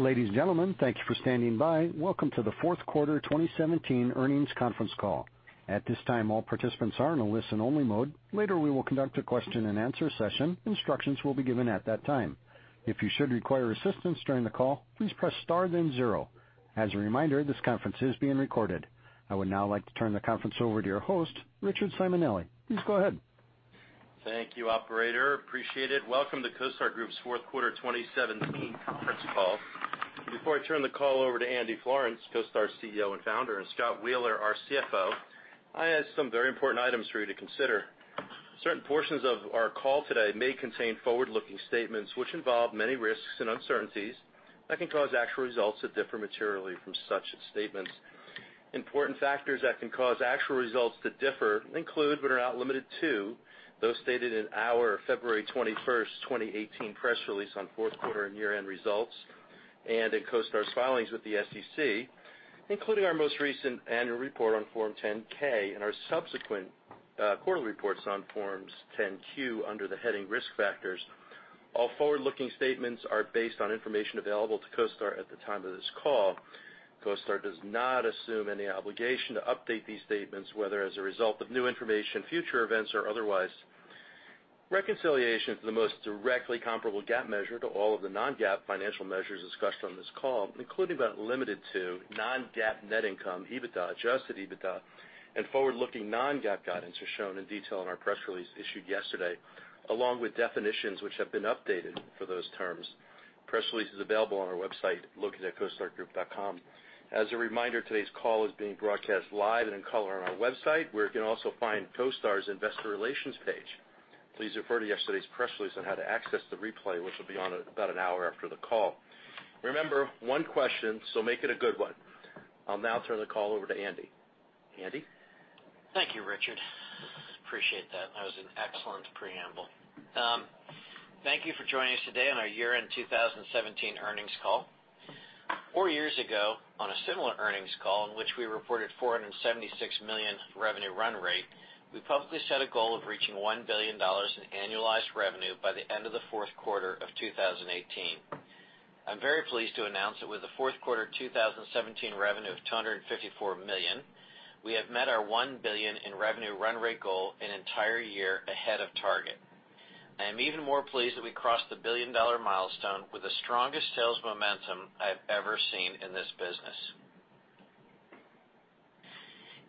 Ladies and gentlemen, thank you for standing by. Welcome to the fourth quarter 2017 earnings conference call. At this time, all participants are in a listen-only mode. Later, we will conduct a question-and-answer session. Instructions will be given at that time. If you should require assistance during the call, please press star then zero. As a reminder, this conference is being recorded. I would now like to turn the conference over to your host, Richard Simonelli. Please go ahead. Thank you, operator. Appreciate it. Welcome to CoStar Group's fourth quarter 2017 conference call. Before I turn the call over to Andy Florance, CoStar CEO and founder, and Scott Wheeler, our CFO, I have some very important items for you to consider. Certain portions of our call today may contain forward-looking statements which involve many risks and uncertainties that can cause actual results to differ materially from such statements. Important factors that can cause actual results to differ include, but are not limited to, those stated in our February 21st, 2018 press release on fourth quarter and year-end results, and in CoStar's filings with the SEC, including our most recent annual report on Form 10-K and our subsequent quarter reports on Forms 10-Q under the heading Risk Factors. All forward-looking statements are based on information available to CoStar at the time of this call. CoStar does not assume any obligation to update these statements, whether as a result of new information, future events, or otherwise. Reconciliation for the most directly comparable GAAP measure to all of the non-GAAP financial measures discussed on this call, including but not limited to, non-GAAP net income, EBITDA, adjusted EBITDA, and forward-looking non-GAAP guidance are shown in detail in our press release issued yesterday, along with definitions which have been updated for those terms. Press release is available on our website located at costargroup.com. As a reminder, today's call is being broadcast live and in color on our website, where you can also find CoStar's investor relations page. Please refer to yesterday's press release on how to access the replay, which will be on about an hour after the call. Remember, one question. Make it a good one. I'll now turn the call over to Andy. Andy? Thank you, Richard. Appreciate that. That was an excellent preamble. Thank you for joining us today on our year-end 2017 earnings call. Four years ago, on a similar earnings call in which we reported $476 million revenue run rate, we publicly set a goal of reaching $1 billion in annualized revenue by the end of the fourth quarter of 2018. I'm very pleased to announce that with the fourth quarter 2017 revenue of $254 million, we have met our $1 billion in revenue run rate goal an entire year ahead of target. I am even more pleased that we crossed the billion-dollar milestone with the strongest sales momentum I have ever seen in this business.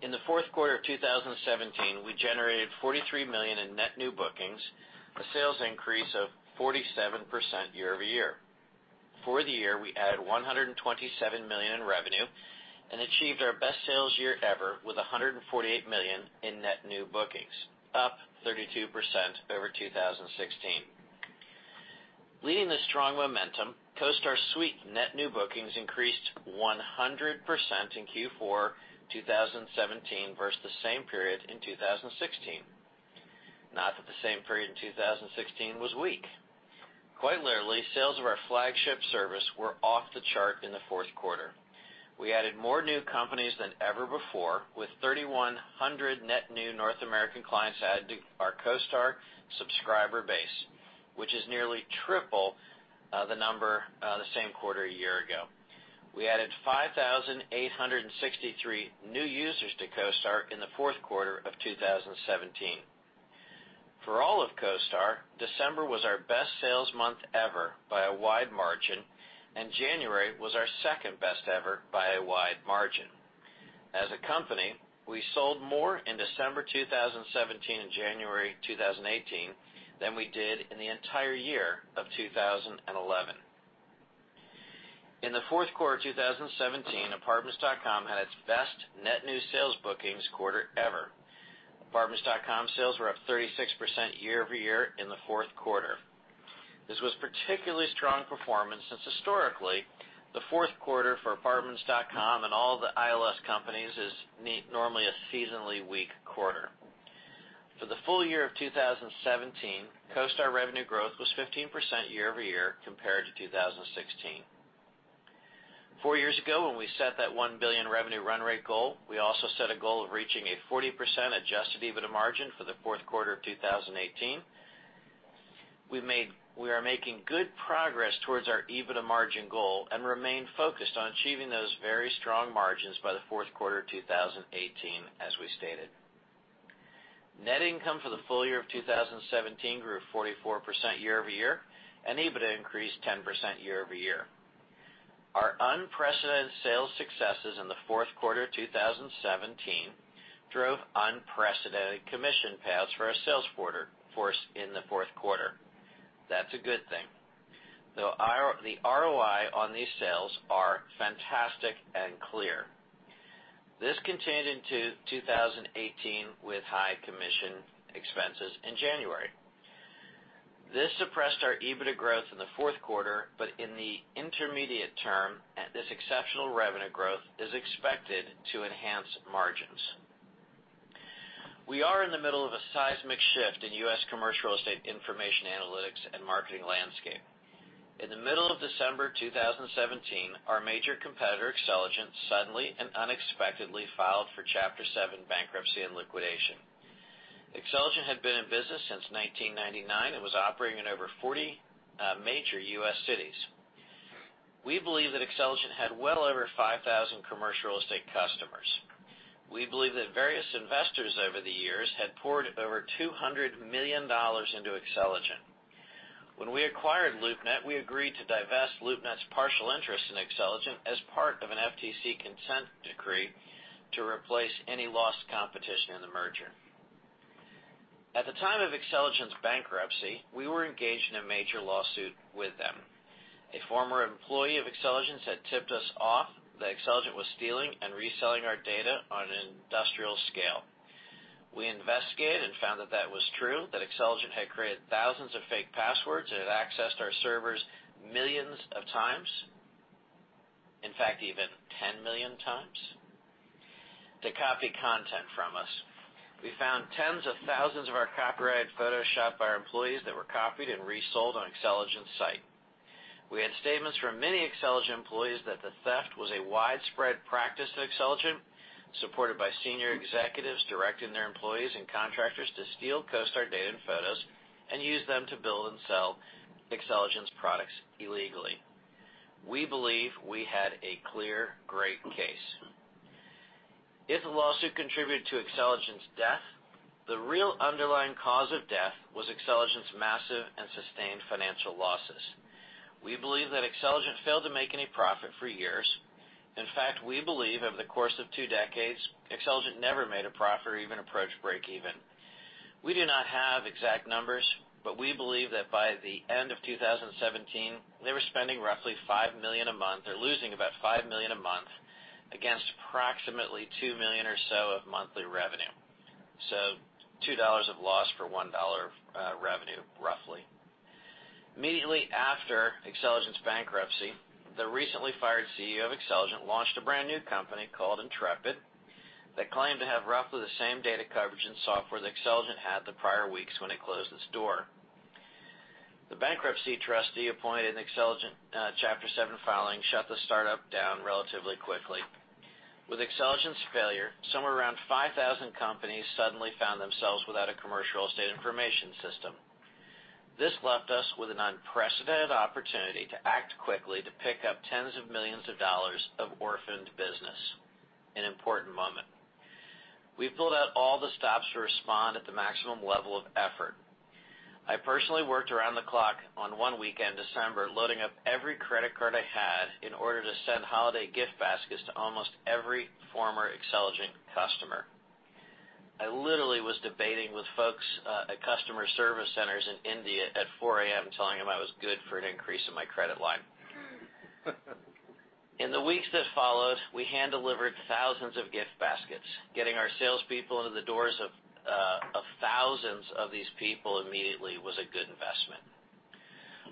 In the fourth quarter of 2017, we generated $43 million in net new bookings, a sales increase of 47% year over year. For the year, we added $127 million in revenue and achieved our best sales year ever with $148 million in net new bookings, up 32% over 2016. Leading this strong momentum, CoStar Suite net new bookings increased 100% in Q4 2017 versus the same period in 2016. Not that the same period in 2016 was weak. Quite literally, sales of our flagship service were off the chart in the fourth quarter. We added more new companies than ever before, with 3,100 net new North American clients added to our CoStar subscriber base, which is nearly triple the number the same quarter a year ago. We added 5,863 new users to CoStar in the fourth quarter of 2017. For all of CoStar, December was our best sales month ever by a wide margin, and January was our second-best ever by a wide margin. As a company, we sold more in December 2017 and January 2018 than we did in the entire year of 2011. In the fourth quarter 2017, apartments.com had its best net new sales bookings quarter ever. apartments.com sales were up 36% year-over-year in the fourth quarter. This was particularly strong performance since historically, the fourth quarter for apartments.com and all the ILS companies is normally a seasonally weak quarter. For the full year of 2017, CoStar revenue growth was 15% year-over-year compared to 2016. Four years ago, when we set that $1 billion revenue run rate goal, we also set a goal of reaching a 40% adjusted EBITDA margin for the fourth quarter of 2018. We are making good progress towards our EBITDA margin goal and remain focused on achieving those very strong margins by the fourth quarter 2018, as we stated. Net income for the full year of 2017 grew 44% year-over-year, and EBITDA increased 10% year-over-year. Our unprecedented sales successes in the fourth quarter 2017 drove unprecedented commission payouts for our sales force in the fourth quarter. That's a good thing. The ROI on these sales are fantastic and clear. This continued into 2018 with high commission expenses in January. This suppressed our EBITDA growth in the fourth quarter, but in the intermediate term, this exceptional revenue growth is expected to enhance margins. We are in the middle of a seismic shift in U.S. commercial real estate information analytics and marketing landscape. In the middle of December 2017, our major competitor, Xceligent, suddenly and unexpectedly filed for Chapter 7 bankruptcy and liquidation. Xceligent had been in business since 1999 and was operating in over 40 major U.S. cities. We believe that Xceligent had well over 5,000 commercial real estate customers. We believe that various investors over the years had poured over $200 million into Xceligent. When we acquired LoopNet, we agreed to divest LoopNet's partial interest in Xceligent as part of an FTC consent decree to replace any lost competition in the merger. At the time of Xceligent's bankruptcy, we were engaged in a major lawsuit with them. A former employee of Xceligent's had tipped us off that Xceligent was stealing and reselling our data on an industrial scale. We investigated and found that that was true, that Xceligent had created thousands of fake passwords and had accessed our servers millions of times. In fact, even 10 million times, to copy content from us. We found tens of thousands of our copyrighted photos shot by our employees that were copied and resold on Xceligent's site. We had statements from many Xceligent employees that the theft was a widespread practice at Xceligent, supported by senior executives directing their employees and contractors to steal CoStar data and photos and use them to build and sell Xceligent's products illegally. We believe we had a clear, great case. If the lawsuit contributed to Xceligent's death, the real underlying cause of death was Xceligent's massive and sustained financial losses. We believe that Xceligent failed to make any profit for years. In fact, we believe over the course of two decades, Xceligent never made a profit or even approached break even. We do not have exact numbers, but we believe that by the end of 2017, they were spending roughly $5 million a month or losing about $5 million a month, against approximately $2 million or so of monthly revenue. $2 of loss for $1 of revenue, roughly. Immediately after Xceligent's bankruptcy, the recently fired CEO of Xceligent launched a brand-new company called Intrepid that claimed to have roughly the same data coverage and software that Xceligent had the prior weeks when it closed its door. The bankruptcy trustee appointed in Xceligent Chapter 7 filing shut the startup down relatively quickly. With Xceligent's failure, somewhere around 5,000 companies suddenly found themselves without a commercial real estate information system. This left us with an unprecedented opportunity to act quickly to pick up tens of millions of dollars of orphaned business. An important moment. We pulled out all the stops to respond at the maximum level of effort. I personally worked around the clock on one weekend, December, loading up every credit card I had in order to send holiday gift baskets to almost every former Xceligent customer. I literally was debating with folks at customer service centers in India at 4:00 A.M. telling them I was good for an increase in my credit line. In the weeks that followed, we hand-delivered thousands of gift baskets. Getting our salespeople into the doors of thousands of these people immediately was a good investment.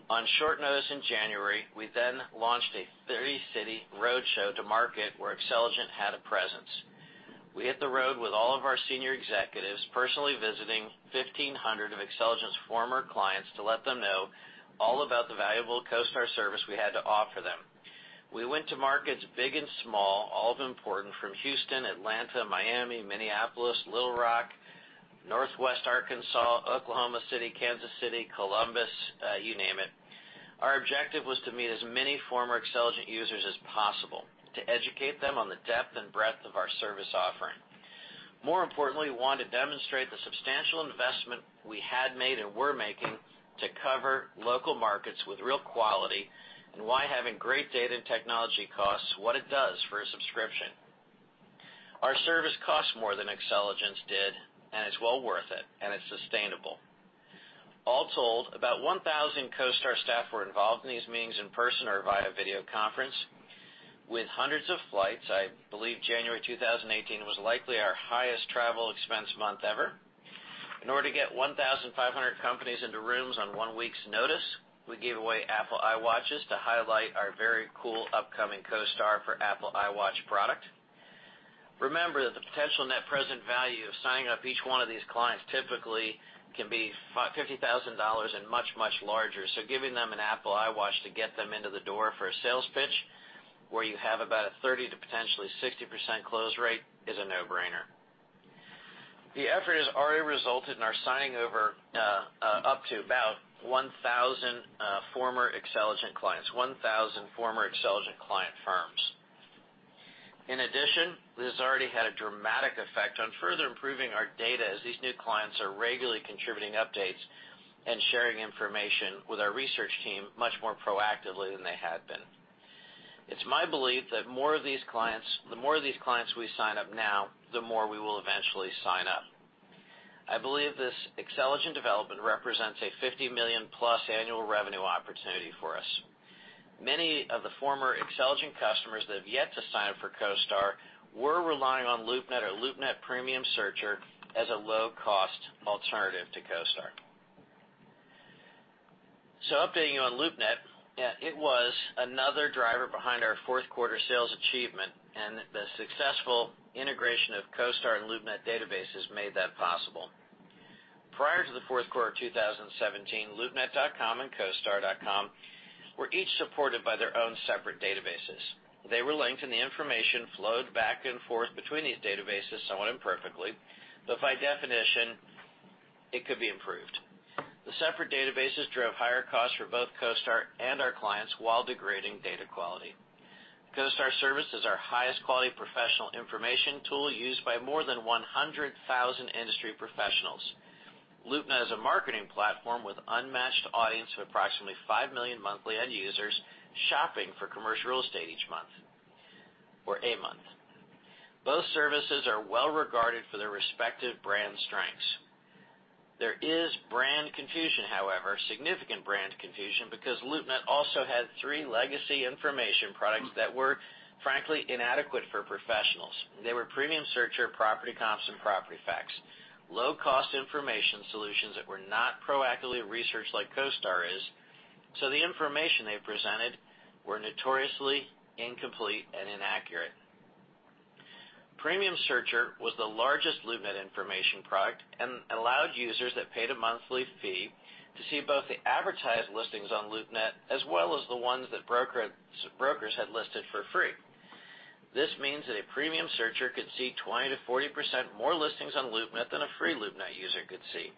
On short notice in January, we launched a 30-city roadshow to market where Xceligent had a presence. We hit the road with all of our senior executives, personally visiting 1,500 of Xceligent's former clients to let them know all about the valuable CoStar service we had to offer them. We went to markets big and small, all important, from Houston, Atlanta, Miami, Minneapolis, Little Rock, Northwest Arkansas, Oklahoma City, Kansas City, Columbus, you name it. Our objective was to meet as many former Xceligent users as possible to educate them on the depth and breadth of our service offering. More importantly, we wanted to demonstrate the substantial investment we had made and were making to cover local markets with real quality, and why having great data and technology costs what it does for a subscription. Our service costs more than Xceligent's did, and it's well worth it, and it's sustainable. All told, about 1,000 CoStar staff were involved in these meetings in person or via video conference. With hundreds of flights, I believe January 2018 was likely our highest travel expense month ever. In order to get 1,500 companies into rooms on one week's notice, we gave away Apple Watches to highlight our very cool upcoming CoStar for Apple Watch product. Remember that the potential net present value of signing up each one of these clients typically can be $50,000 and much, much larger. Giving them an Apple Watch to get them into the door for a sales pitch, where you have about a 30%-60% close rate, is a no-brainer. The effort has already resulted in our signing over up to about 1,000 former Xceligent clients. 1,000 former Xceligent client firms. In addition, this has already had a dramatic effect on further improving our data, as these new clients are regularly contributing updates and sharing information with our research team much more proactively than they had been. It's my belief that the more of these clients we sign up now, the more we will eventually sign up. I believe this Xceligent development represents a $50 million-plus annual revenue opportunity for us. Many of the former Xceligent customers that have yet to sign up for CoStar were relying on LoopNet or LoopNet Premium Searcher as a low-cost alternative to CoStar. Updating you on LoopNet, it was another driver behind our fourth quarter sales achievement, and the successful integration of CoStar and LoopNet databases made that possible. Prior to the fourth quarter of 2017, LoopNet.com and CoStar.com were each supported by their own separate databases. They were linked, and the information flowed back and forth between these databases somewhat imperfectly, but by definition, it could be improved. The separate databases drove higher costs for both CoStar and our clients while degrading data quality. CoStar service is our highest quality professional information tool used by more than 100,000 industry professionals. LoopNet is a marketing platform with unmatched audience of approximately 5 million monthly end users shopping for commercial real estate each month, or a month. Both services are well regarded for their respective brand strengths. There is brand confusion, however, significant brand confusion, because LoopNet also had three legacy information products that were frankly inadequate for professionals. They were Premium Searcher, Property Comps, and Property Facts. Low-cost information solutions that were not proactively researched like CoStar is, so the information they presented were notoriously incomplete and inaccurate. Premium Searcher was the largest LoopNet information product and allowed users that paid a monthly fee to see both the advertised listings on LoopNet, as well as the ones that brokers had listed for free. This means that a Premium Searcher could see 20%-40% more listings on LoopNet than a free LoopNet user could see.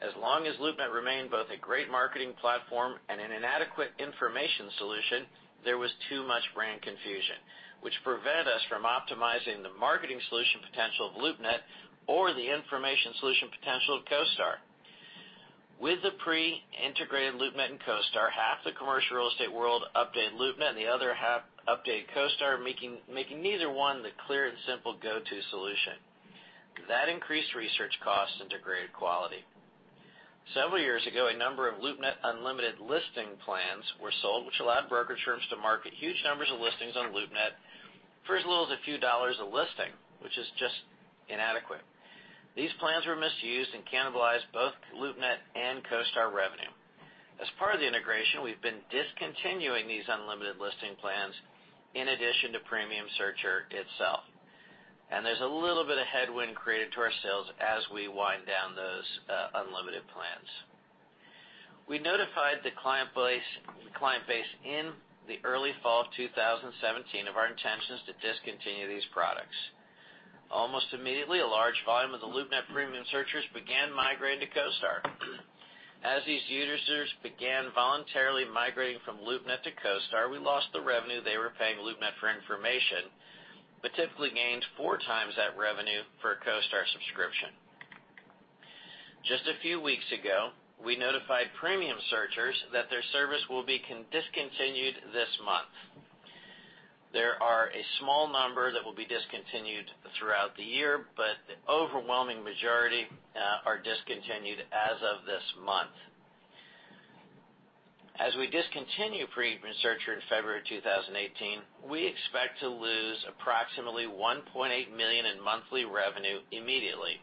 As long as LoopNet remained both a great marketing platform and an inadequate information solution, there was too much brand confusion, which prevented us from optimizing the marketing solution potential of LoopNet or the information solution potential of CoStar. With the pre-integrated LoopNet and CoStar, half the commercial real estate world updated LoopNet and the other half updated CoStar, making neither one the clear and simple go-to solution. That increased research costs and degraded quality. Several years ago, a number of LoopNet unlimited listing plans were sold, which allowed brokerage firms to market huge numbers of listings on LoopNet for as little as a few dollars a listing, which is just inadequate. These plans were misused and cannibalized both LoopNet and CoStar revenue. As part of the integration, we've been discontinuing these unlimited listing plans in addition to Premium Searcher itself. There's a little bit of headwind created to our sales as we wind down those unlimited plans. We notified the client base in the early fall of 2017 of our intentions to discontinue these products. Almost immediately, a large volume of the LoopNet Premium Searchers began migrating to CoStar. As these users began voluntarily migrating from LoopNet to CoStar, we lost the revenue they were paying LoopNet for information, but typically gained four times that revenue for a CoStar subscription. Just a few weeks ago, we notified Premium Searchers that their service will be discontinued this month. There are a small number that will be discontinued throughout the year, but the overwhelming majority are discontinued as of this month. As we discontinue Premium Searcher in February 2018, we expect to lose approximately $1.8 million in monthly revenue immediately,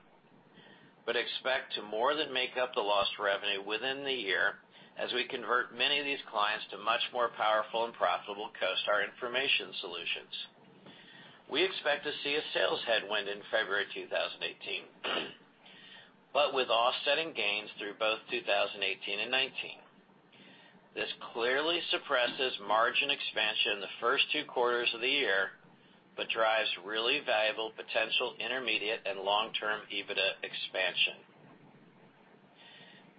but expect to more than make up the lost revenue within the year as we convert many of these clients to much more powerful and profitable CoStar information solutions. We expect to see a sales headwind in February 2018, but with offsetting gains through both 2018 and 2019. This clearly suppresses margin expansion the first two quarters of the year, but drives really valuable potential intermediate and long-term EBITDA expansion.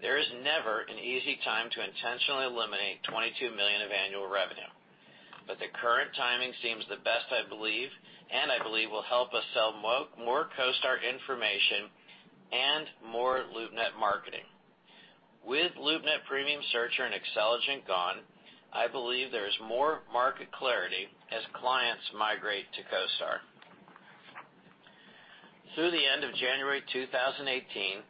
There is never an easy time to intentionally eliminate $22 million of annual revenue, but the current timing seems the best, I believe, and I believe will help us sell more CoStar information and more LoopNet marketing. With LoopNet Premium Searcher and Xceligent gone, I believe there is more market clarity as clients migrate to CoStar. Through the end of January 2018,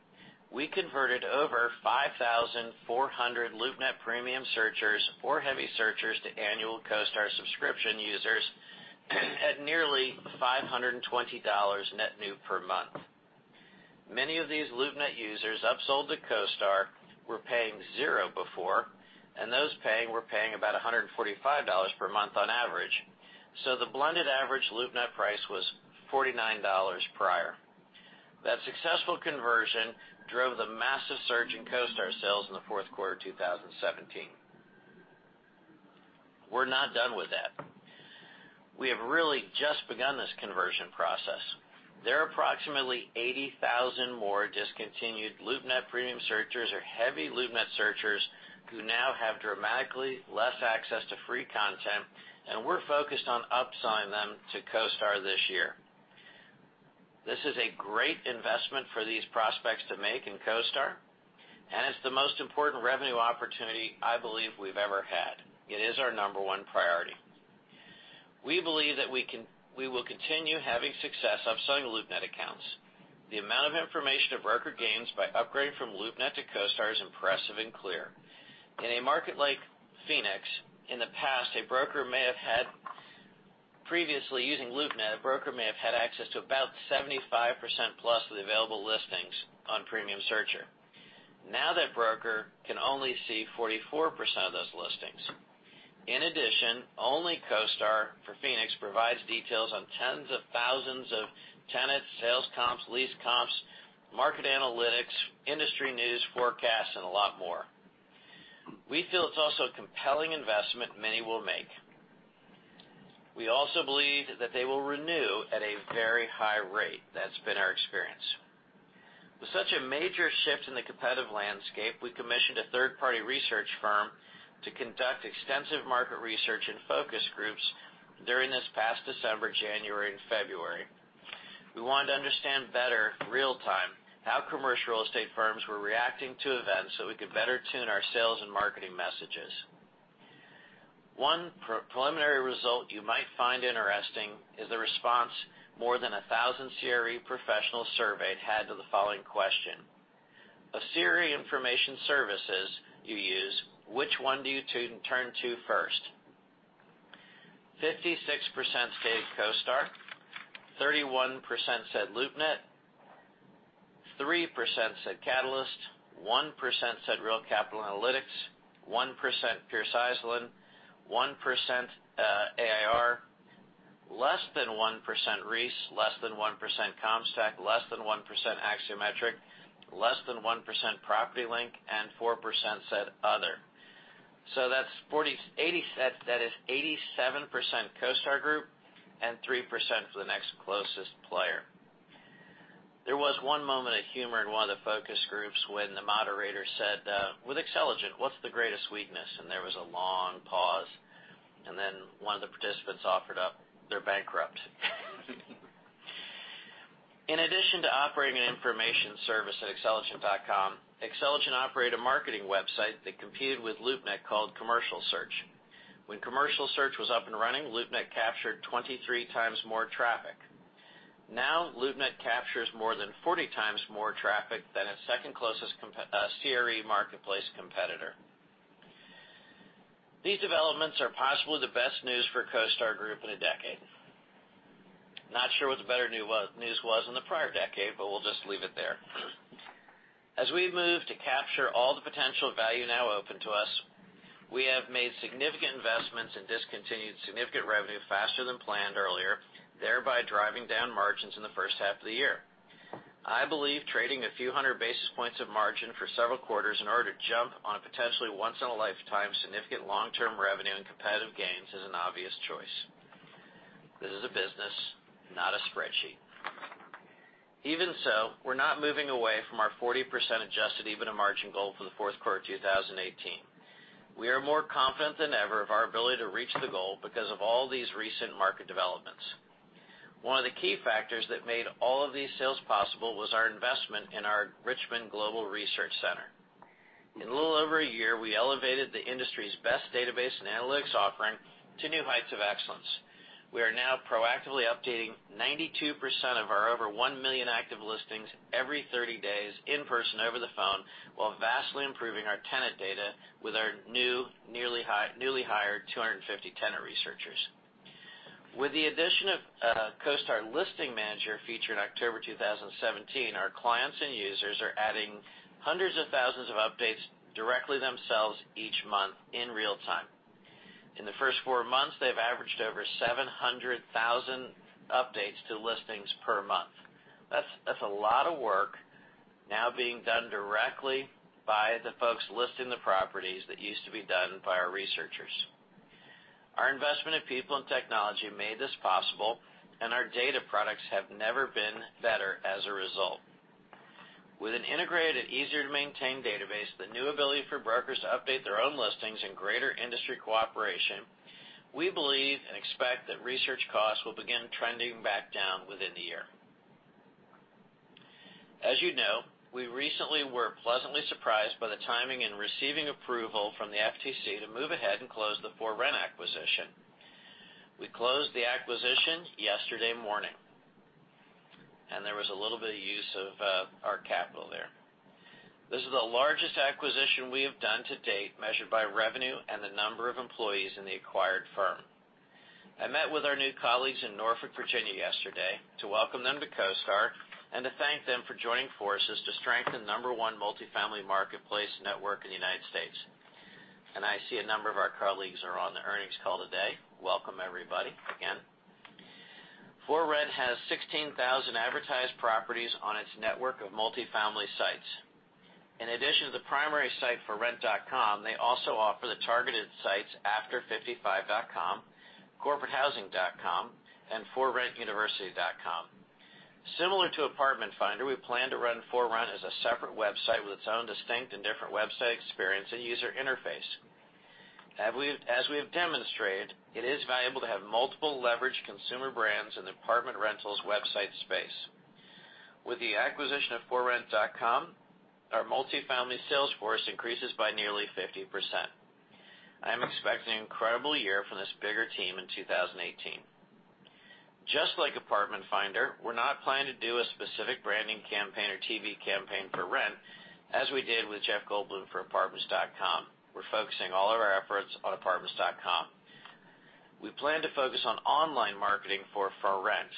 we converted over 5,400 LoopNet Premium Searchers or heavy searchers to annual CoStar subscription users at nearly $520 net new per month. Many of these LoopNet users upsold to CoStar were paying zero before, and those paying were paying about $145 per month on average. The blended average LoopNet price was $49 prior. That successful conversion drove the massive surge in CoStar sales in the fourth quarter of 2017. We're not done with that. We have really just begun this conversion process. There are approximately 80,000 more discontinued LoopNet Premium Searchers or heavy LoopNet searchers who now have dramatically less access to free content, and we're focused on upselling them to CoStar this year. This is a great investment for these prospects to make in CoStar, and it's the most important revenue opportunity I believe we've ever had. It is our number one priority. We believe that we will continue having success upselling LoopNet accounts. The amount of information a broker gains by upgrading from LoopNet to CoStar is impressive and clear. In a market like Phoenix, in the past, a broker may have had previously using LoopNet, a broker may have had access to about 75%+ of the available listings on Premium Searcher. Now that broker can only see 44% of those listings. In addition, only CoStar for Phoenix provides details on tens of thousands of tenants, sales comps, lease comps, market analytics, industry news forecasts, and a lot more. We feel it's also a compelling investment many will make. We also believe that they will renew at a very high rate. That's been our experience. With such a major shift in the competitive landscape, we commissioned a third-party research firm to conduct extensive market research and focus groups during this past December, January, and February. We wanted to understand better real-time how commercial real estate firms were reacting to events so we could better tune our sales and marketing messages. One preliminary result you might find interesting is the response more than 1,000 CRE professionals surveyed had to the following question. "Of CRE information services you use, which one do you turn to first?" 56% stated CoStar, 31% said LoopNet, 3% said Catylist, 1% said Real Capital Analytics, 1% Reis, 1% AIR CRE, less than 1% Reis, less than 1% CompStak, less than 1% Axiometrics, less than 1% Property Link, and 4% said other. That is 87% CoStar Group and 3% for the next closest player. There was one moment of humor in one of the focus groups when the moderator said, "With Xceligent, what's the greatest weakness?" There was a long pause, and then one of the participants offered up, "They're bankrupt." In addition to operating an information service at xceligent.com, Xceligent operate a marketing website that competed with LoopNet called Commercial Search. When Commercial Search was up and running, LoopNet captured 23 times more traffic. Now LoopNet captures more than 40 times more traffic than its second closest CRE marketplace competitor. These developments are possibly the best news for CoStar Group in a decade. Not sure what the better news was in the prior decade, but we'll just leave it there. As we've moved to capture all the potential value now open to us, we have made significant investments and discontinued significant revenue faster than planned earlier, thereby driving down margins in the first half of the year. I believe trading a few hundred basis points of margin for several quarters in order to jump on a potentially once-in-a-lifetime significant long-term revenue and competitive gains is an obvious choice. This is a business, not a spreadsheet. We're not moving away from our 40% adjusted EBITDA margin goal for the fourth quarter of 2018. We are more confident than ever of our ability to reach the goal because of all these recent market developments. One of the key factors that made all of these sales possible was our investment in our Richmond Global Research Center. In a little over a year, we elevated the industry's best database and analytics offering to new heights of excellence. We are now proactively updating 92% of our over 1 million active listings every 30 days in person over the phone, while vastly improving our tenant data with our newly hired 250 tenant researchers. With the addition of CoStar Listing Manager featured October 2017, our clients and users are adding hundreds of thousands of updates directly themselves each month in real time. In the first four months, they've averaged over 700,000 updates to listings per month. That's a lot of work now being done directly by the folks listing the properties that used to be done by our researchers. Our investment in people and technology made this possible, and our data products have never been better as a result. With an integrated, easier-to-maintain database, the new ability for brokers to update their own listings, and greater industry cooperation, we believe and expect that research costs will begin trending back down within the year. As you know, we recently were pleasantly surprised by the timing in receiving approval from the FTC to move ahead and close the ForRent acquisition. We closed the acquisition yesterday morning, and there was a little bit of use of our capital there. This is the largest acquisition we have done to date, measured by revenue and the number of employees in the acquired firm. I met with our new colleagues in Norfolk, Virginia, yesterday to welcome them to CoStar and to thank them for joining forces to strengthen the number 1 multifamily marketplace network in the U.S. I see a number of our colleagues are on the earnings call today. Welcome everybody, again. ForRent has 16,000 advertised properties on its network of multifamily sites. In addition to the primary site, forrent.com, they also offer the targeted sites after55.com, corporatehousing.com, and forrentuniversity.com. Similar to Apartment Finder, we plan to run ForRent as a separate website with its own distinct and different website experience and user interface. As we have demonstrated, it is valuable to have multiple leveraged consumer brands in the apartment rentals website space. With the acquisition of forrent.com, our multifamily sales force increases by nearly 50%. I am expecting an incredible year from this bigger team in 2018. Just like Apartment Finder, we're not planning to do a specific branding campaign or TV campaign for ForRent as we did with Jeff Goldblum for apartments.com. We're focusing all of our efforts on apartments.com. We plan to focus on online marketing for ForRent.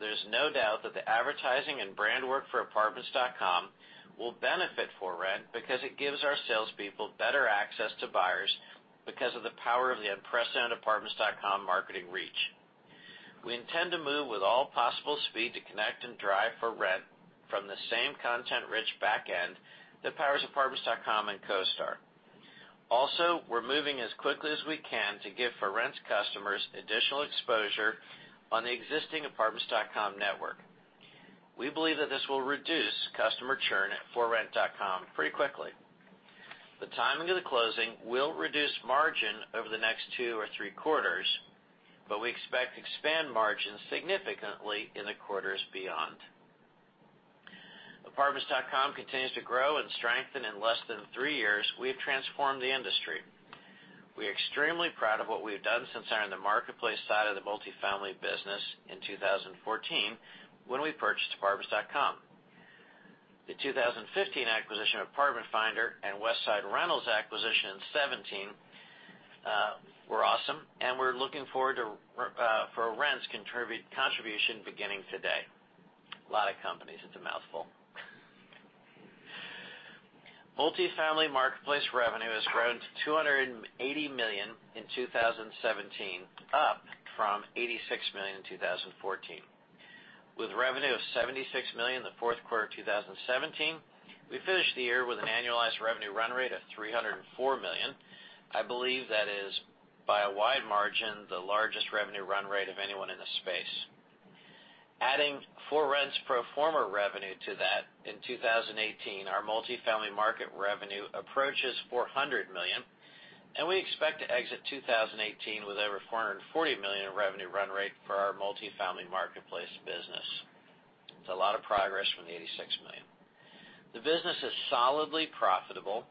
There's no doubt that the advertising and brand work for apartments.com will benefit ForRent because it gives our salespeople better access to buyers because of the power of the unprecedented apartments.com marketing reach. We intend to move with all possible speed to connect and drive ForRent from the same content-rich back end that powers apartments.com and CoStar. Also, we're moving as quickly as we can to give ForRent's customers additional exposure on the existing apartments.com network. We believe that this will reduce customer churn at forrent.com pretty quickly. The timing of the closing will reduce margin over the next two or three quarters, but we expect to expand margins significantly in the quarters beyond. Apartments.com continues to grow and strengthen. In less than three years, we have transformed the industry. We are extremely proud of what we have done since entering the marketplace side of the multifamily business in 2014, when we purchased apartments.com. The 2015 acquisition of Apartment Finder and Westside Rentals acquisition in 2017 were awesome, and we're looking forward to ForRent's contribution beginning today. Lot of companies, it's a mouthful. Multifamily marketplace revenue has grown to $280 million in 2017, up from $86 million in 2014. With revenue of $76 million in the fourth quarter of 2017, we finished the year with an annualized revenue run rate of $304 million. I believe that is, by a wide margin, the largest revenue run rate of anyone in the space. Adding ForRent's pro forma revenue to that in 2018, our multifamily market revenue approaches $400 million, and we expect to exit 2018 with over $440 million in revenue run rate for our multifamily marketplace business. It's a lot of progress from the $86 million. The business is solidly profitable,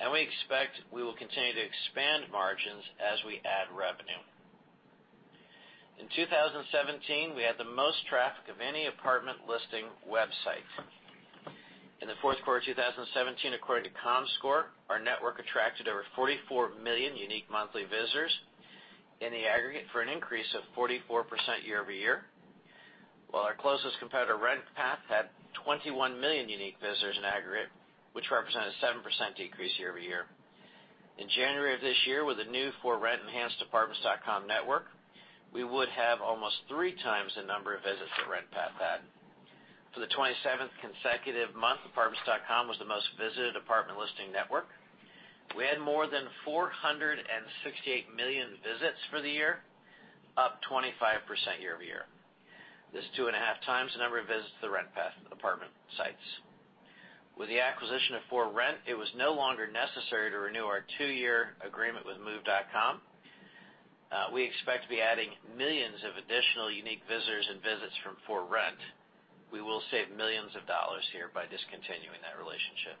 and we expect we will continue to expand margins as we add revenue. In 2017, we had the most traffic of any apartment listing website. In the fourth quarter 2017, according to Comscore, our network attracted over 44 million unique monthly visitors in the aggregate for an increase of 44% year-over-year. While our closest competitor, RentPath, had 21 million unique visitors in aggregate, which represented a 7% decrease year-over-year. In January of this year, with the new ForRent enhanced apartments.com network, we would have almost three times the number of visits that RentPath had. For the 27th consecutive month, apartments.com was the most visited apartment listing network. We had more than 468 million visits for the year, up 25% year-over-year. That's two and a half times the number of visits to the RentPath apartment sites. With the acquisition of ForRent, it was no longer necessary to renew our two-year agreement with move.com. We expect to be adding millions of additional unique visitors and visits from ForRent. We will save millions of dollars here by discontinuing that relationship.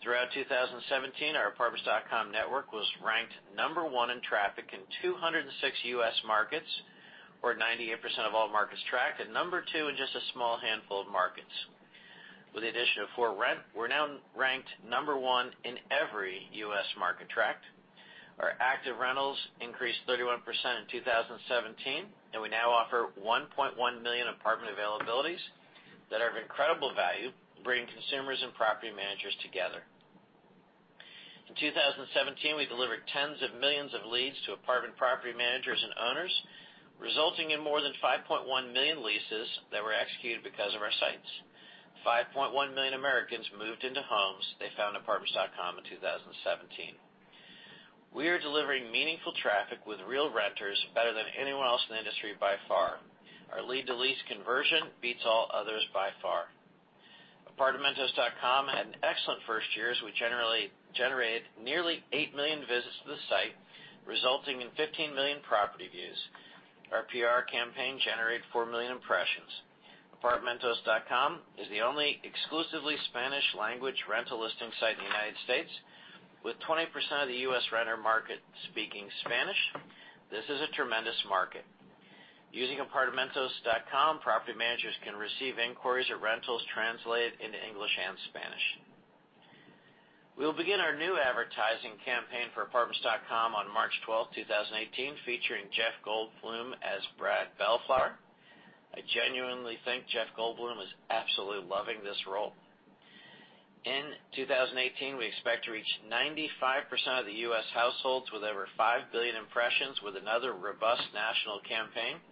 Throughout 2017, our apartments.com network was ranked number one in traffic in 206 U.S. markets, or 98% of all markets tracked, and number two in just a small handful of markets. With the addition of ForRent, we're now ranked number one in every U.S. market tracked. Our active rentals increased 31% in 2017, and we now offer 1.1 million apartment availabilities that are of incredible value, bringing consumers and property managers together. In 2017, we delivered tens of millions of leads to apartment property managers and owners, resulting in more than 5.1 million leases that were executed because of our sites. 5.1 million Americans moved into homes they found on apartments.com in 2017. We are delivering meaningful traffic with real renters better than anyone else in the industry by far. Our lead-to-lease conversion beats all others by far. Apartamentos.com had an excellent first year as we generated nearly 8 million visits to the site, resulting in 15 million property views. Our PR campaign generated 4 million impressions. Apartamentos.com is the only exclusively Spanish language rental listing site in the United States. With 20% of the U.S. renter market speaking Spanish, this is a tremendous market. Using apartamentos.com, property managers can receive inquiries or rentals translated into English and Spanish. We will begin our new advertising campaign for apartments.com on March 12th, 2018, featuring Jeff Goldblum as Brad Bellflower. I genuinely think Jeff Goldblum is absolutely loving this role. In 2018, we expect to reach 95% of the U.S. households with over 5 billion impressions with another robust national campaign,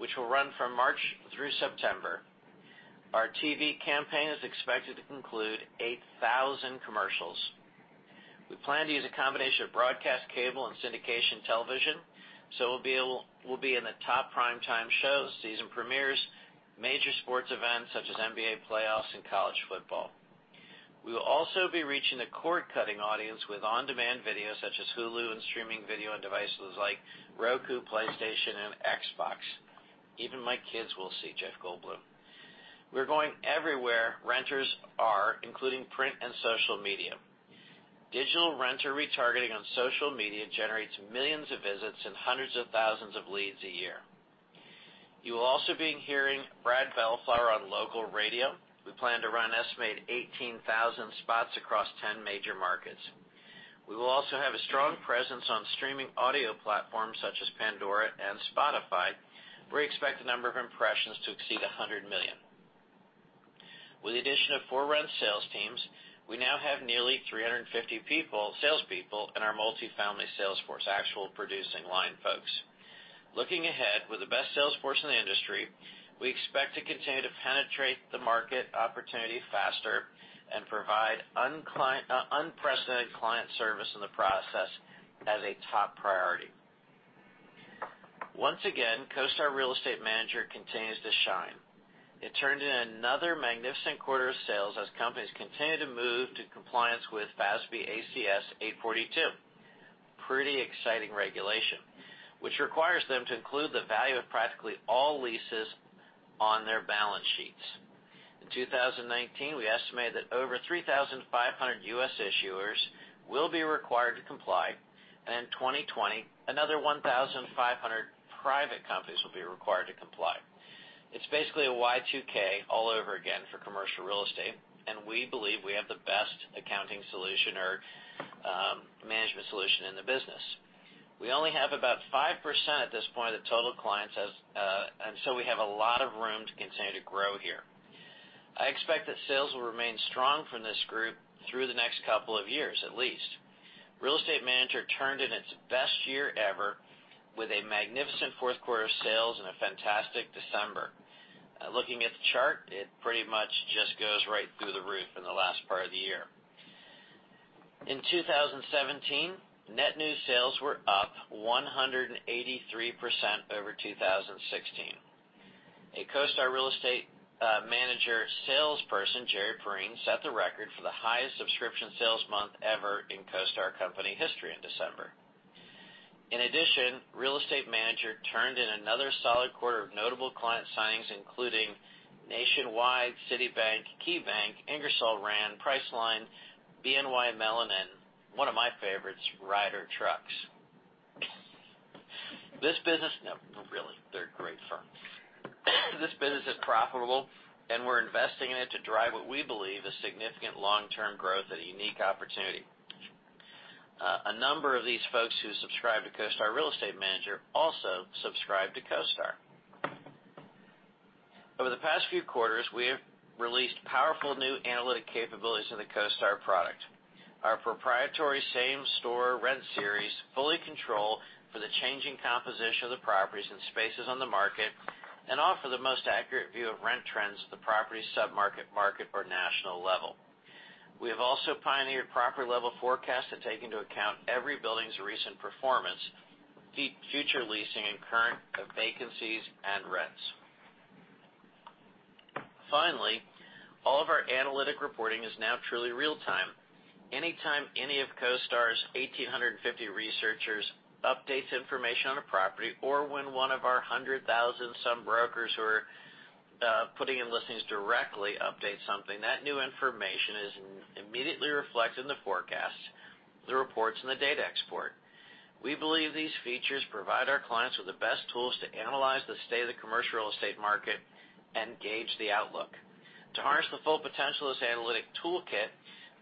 which will run from March through September. Our TV campaign is expected to conclude 8,000 commercials. We plan to use a combination of broadcast cable and syndication television, we'll be in the top primetime shows, season premieres, major sports events such as NBA playoffs and college football. We will also be reaching the cord-cutting audience with on-demand videos such as Hulu and streaming video on devices like Roku, PlayStation, and Xbox. Even my kids will see Jeff Goldblum. We're going everywhere renters are, including print and social media. Digital renter retargeting on social media generates millions of visits and hundreds of thousands of leads a year. You will also be hearing Brad Bellflower on local radio. We plan to run an estimated 18,000 spots across 10 major markets. We will also have a strong presence on streaming audio platforms such as Pandora and Spotify. We expect the number of impressions to exceed 100 million. With the addition of ForRent sales teams, we now have nearly 350 salespeople in our multifamily sales force, actual producing line folks. Looking ahead, with the best sales force in the industry, we expect to continue to penetrate the market opportunity faster and provide unprecedented client service in the process as a top priority. Once again, CoStar Real Estate Manager continues to shine. It turned in another magnificent quarter of sales as companies continue to move to compliance with FASB ASC 842. Pretty exciting regulation, which requires them to include the value of practically all leases on their balance sheets. In 2019, we estimate that over 3,500 U.S. issuers will be required to comply, and in 2020, another 1,500 private companies will be required to comply. It's basically a Y2K all over again for commercial real estate, and we believe we have the best accounting solution or management solution in the business. We only have about 5% at this point of the total clients, we have a lot of room to continue to grow here. I expect that sales will remain strong from this group through the next couple of years at least. Real Estate Manager turned in its best year ever with a magnificent fourth quarter of sales and a fantastic December. Looking at the chart, it pretty much just goes right through the roof in the last part of the year. In 2017, net new sales were up 183% over 2016. A CoStar Real Estate Manager salesperson, Gerry Perrine, set the record for the highest subscription sales month ever in CoStar company history in December. In addition, Real Estate Manager turned in another solid quarter of notable client signings, including Nationwide, Citibank, KeyBank, Ingersoll Rand, Priceline, BNY Mellon, and one of my favorites, Ryder Trucks. No, really, they're a great firm. This business is profitable, and we're investing in it to drive what we believe is significant long-term growth and a unique opportunity. A number of these folks who subscribe to CoStar Real Estate Manager also subscribe to CoStar. Over the past few quarters, we have released powerful new analytic capabilities in the CoStar product. Our proprietary same-store rent series fully control for the changing composition of the properties and spaces on the market and offer the most accurate view of rent trends at the property sub-market, market, or national level. We have also pioneered property-level forecasts that take into account every building's recent performance, future leasing, and current vacancies and rents. Finally, all of our analytic reporting is now truly real-time. Anytime any of CoStar's 1,850 researchers updates information on a property, or when one of our 100,000-some brokers who are putting in listings directly updates something, that new information is immediately reflected in the forecast, the reports, and the data export. We believe these features provide our clients with the best tools to analyze the state of the commercial real estate market and gauge the outlook. To harness the full potential of this analytic toolkit,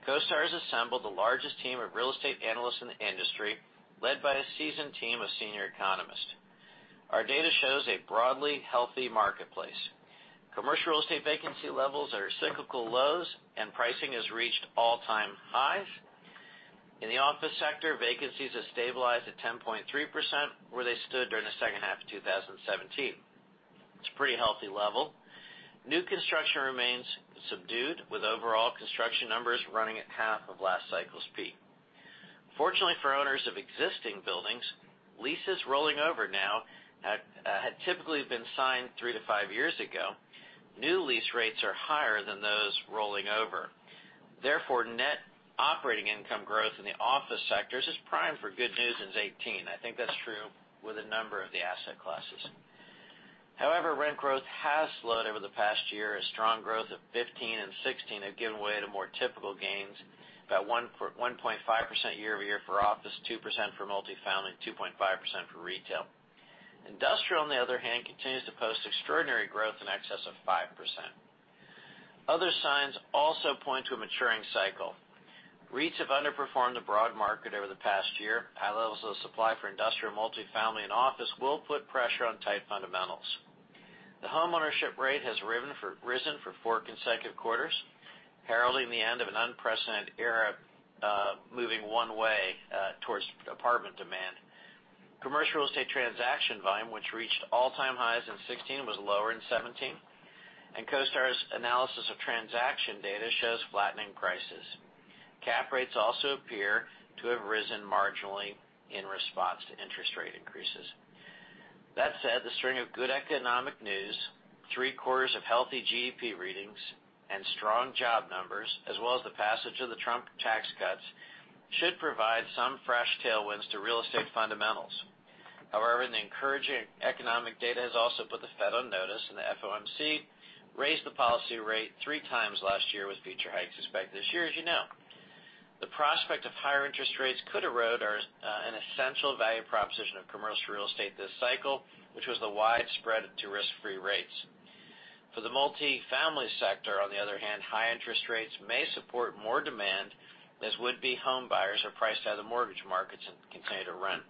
CoStar has assembled the largest team of real estate analysts in the industry, led by a seasoned team of senior economists. Our data shows a broadly healthy marketplace. Commercial real estate vacancy levels are at cyclical lows, and pricing has reached all-time highs. In the office sector, vacancies have stabilized at 10.3%, where they stood during the second half of 2017. It's a pretty healthy level. New construction remains subdued, with overall construction numbers running at half of last cycle's peak. Fortunately for owners of existing buildings, leases rolling over now had typically been signed three to five years ago. New lease rates are higher than those rolling over. Therefore, net operating income growth in the office sectors is primed for good news in 2018. I think that's true with a number of the asset classes. However, rent growth has slowed over the past year, as strong growth of 2015 and 2016 have given way to more typical gains, about 1.5% year-over-year for office, 2% for multifamily, 2.5% for retail. Industrial, on the other hand, continues to post extraordinary growth in excess of 5%. Other signs also point to a maturing cycle. REITs have underperformed the broad market over the past year. High levels of supply for industrial, multifamily, and office will put pressure on tight fundamentals. The homeownership rate has risen for four consecutive quarters, heralding the end of an unprecedented era, moving one way towards apartment demand. Commercial real estate transaction volume, which reached all-time highs in 2016, was lower in 2017, and CoStar's analysis of transaction data shows flattening prices. Cap rates also appear to have risen marginally in response to interest rate increases. The string of good economic news, three quarters of healthy GDP readings, and strong job numbers, as well as the passage of the Trump tax cuts, should provide some fresh tailwinds to real estate fundamentals. The encouraging economic data has also put the Fed on notice, and the FOMC raised the policy rate three times last year with future hikes expected this year as you know. The prospect of higher interest rates could erode an essential value proposition of commercial real estate this cycle, which was the widespread to risk-free rates. For the multifamily sector, on the other hand, high interest rates may support more demand, as would-be home buyers are priced out of the mortgage markets and continue to rent.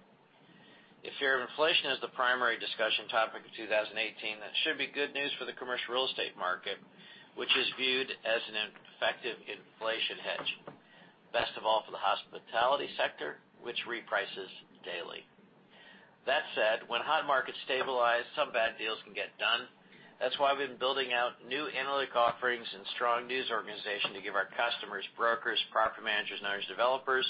If your inflation is the primary discussion topic in 2018, that should be good news for the commercial real estate market, which is viewed as an effective inflation hedge. Best of all for the hospitality sector, which reprices daily. When hot markets stabilize, some bad deals can get done. That's why we've been building out new analytic offerings and strong news organization to give our customers, brokers, property managers, and owners, developers,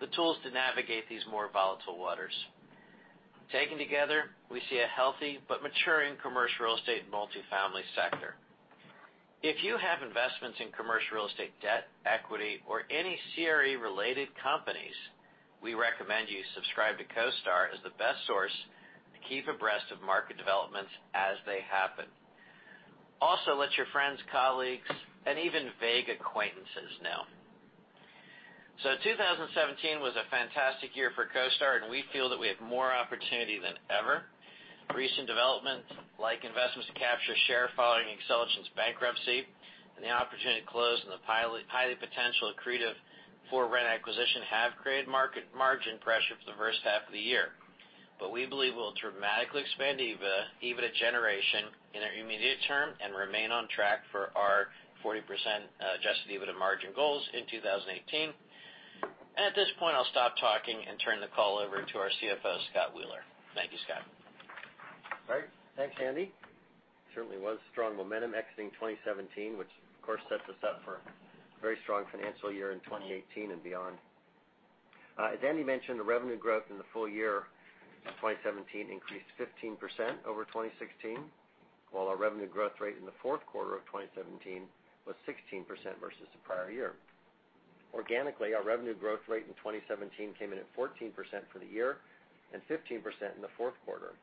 the tools to navigate these more volatile waters. Taken together, we see a healthy but maturing commercial real estate multifamily sector. If you have investments in commercial real estate debt, equity, or any CRE-related companies, we recommend you subscribe to CoStar as the best source to keep abreast of market developments as they happen. Let your friends, colleagues, and even vague acquaintances know. 2017 was a fantastic year for CoStar, and we feel that we have more opportunity than ever. Recent developments like investments to capture share following Xceligent's bankruptcy and the opportunity to close on the highly potential accretive ForRent acquisition have created market margin pressure for the first half of the year. We believe we'll dramatically expand EBITDA generation in our immediate term and remain on track for our 40% adjusted EBITDA margin goals in 2018. At this point, I'll stop talking and turn the call over to our CFO, Scott Wheeler. Thank you, Scott. Great. Thanks, Andy. Certainly was strong momentum exiting 2017, which of course, sets us up for a very strong financial year in 2018 and beyond. As Andy mentioned, the revenue growth in the full year of 2017 increased 15% over 2016, while our revenue growth rate in the fourth quarter of 2017 was 16% versus the prior year. Organically, our revenue growth rate in 2017 came in at 14% for the year and 15% in the fourth quarter,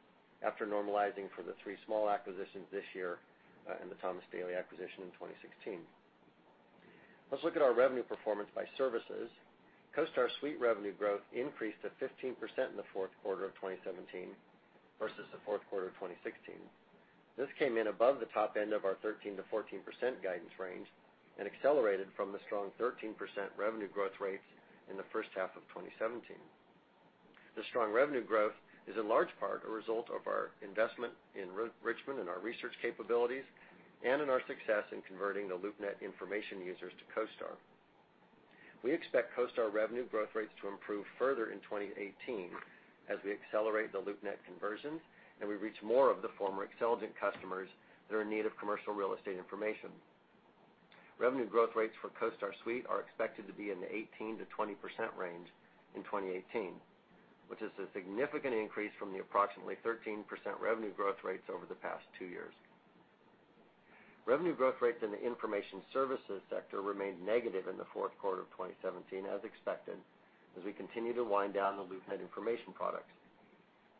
after normalizing for the three small acquisitions this year and the Thomas Daily acquisition in 2016. Let's look at our revenue performance by services. CoStar Suite revenue growth increased to 15% in the fourth quarter of 2017 versus the fourth quarter of 2016. This came in above the top end of our 13%-14% guidance range and accelerated from the strong 13% revenue growth rate in the first half of 2017. The strong revenue growth is in large part a result of our investment in enrichment, in our research capabilities, and in our success in converting the LoopNet information users to CoStar. We expect CoStar revenue growth rates to improve further in 2018 as we accelerate the LoopNet conversions and we reach more of the former Xceligent customers that are in need of commercial real estate information. Revenue growth rates for CoStar Suite are expected to be in the 18%-20% range in 2018, which is a significant increase from the approximately 13% revenue growth rates over the past two years. Revenue growth rates in the information services sector remained negative in the fourth quarter of 2017 as expected, as we continue to wind down the LoopNet information products.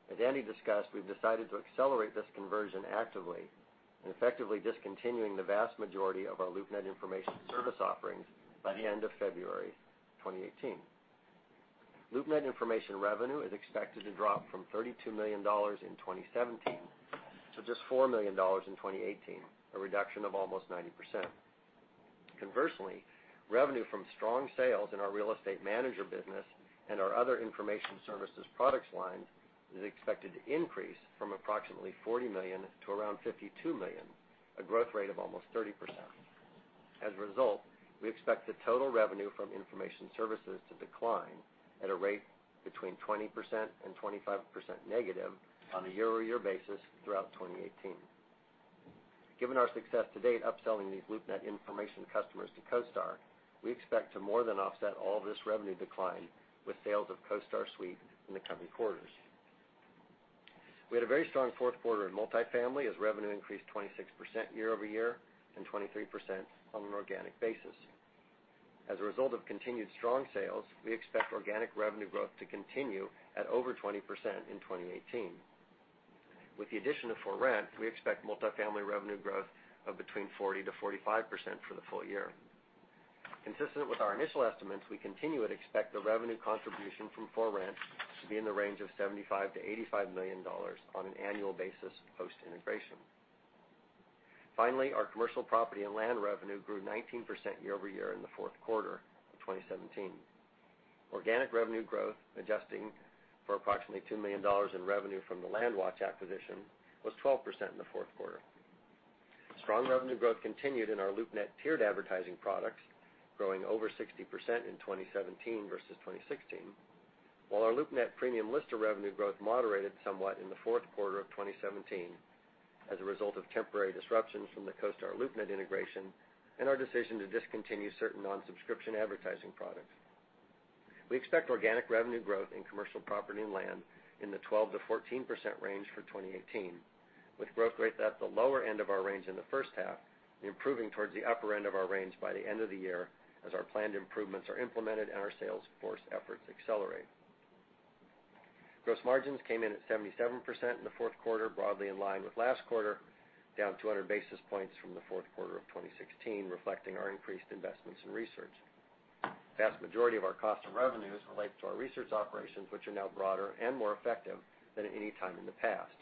As Andy discussed, we've decided to accelerate this conversion actively and effectively discontinuing the vast majority of our LoopNet information service offerings by the end of February 2018. LoopNet information revenue is expected to drop from $32 million in 2017 to just $4 million in 2018, a reduction of almost 90%. Conversely, revenue from strong sales in our real estate manager business and our other information services products lines is expected to increase from approximately $40 million to around $52 million, a growth rate of almost 30%. As a result, we expect the total revenue from information services to decline at a rate between 20%-25% negative on a year-over-year basis throughout 2018. Given our success to date upselling these LoopNet information customers to CoStar, we expect to more than offset all this revenue decline with sales of CoStar Suite in the coming quarters. We had a very strong fourth quarter in multifamily as revenue increased 26% year-over-year and 23% on an organic basis. As a result of continued strong sales, we expect organic revenue growth to continue at over 20% in 2018. With the addition of ForRent, we expect multifamily revenue growth of between 40%-45% for the full year. Consistent with our initial estimates, we continue and expect the revenue contribution from ForRent to be in the range of $75 million-$85 million on an annual basis post-integration. Finally, our commercial property and land revenue grew 19% year-over-year in the fourth quarter of 2017. Organic revenue growth, adjusting for approximately $2 million in revenue from the LandWatch acquisition, was 12% in the fourth quarter. Strong revenue growth continued in our LoopNet tiered advertising products, growing over 60% in 2017 versus 2016. Our LoopNet Premium Lister revenue growth moderated somewhat in the fourth quarter of 2017 as a result of temporary disruptions from the CoStar LoopNet integration and our decision to discontinue certain non-subscription advertising products. We expect organic revenue growth in commercial property and land in the 12%-14% range for 2018, with growth rates at the lower end of our range in the first half, improving towards the upper end of our range by the end of the year as our planned improvements are implemented and our sales force efforts accelerate. Gross margins came in at 77% in the fourth quarter, broadly in line with last quarter, down 200 basis points from the fourth quarter of 2016, reflecting our increased investments in research. The vast majority of our cost and revenues relate to our research operations, which are now broader and more effective than at any time in the past.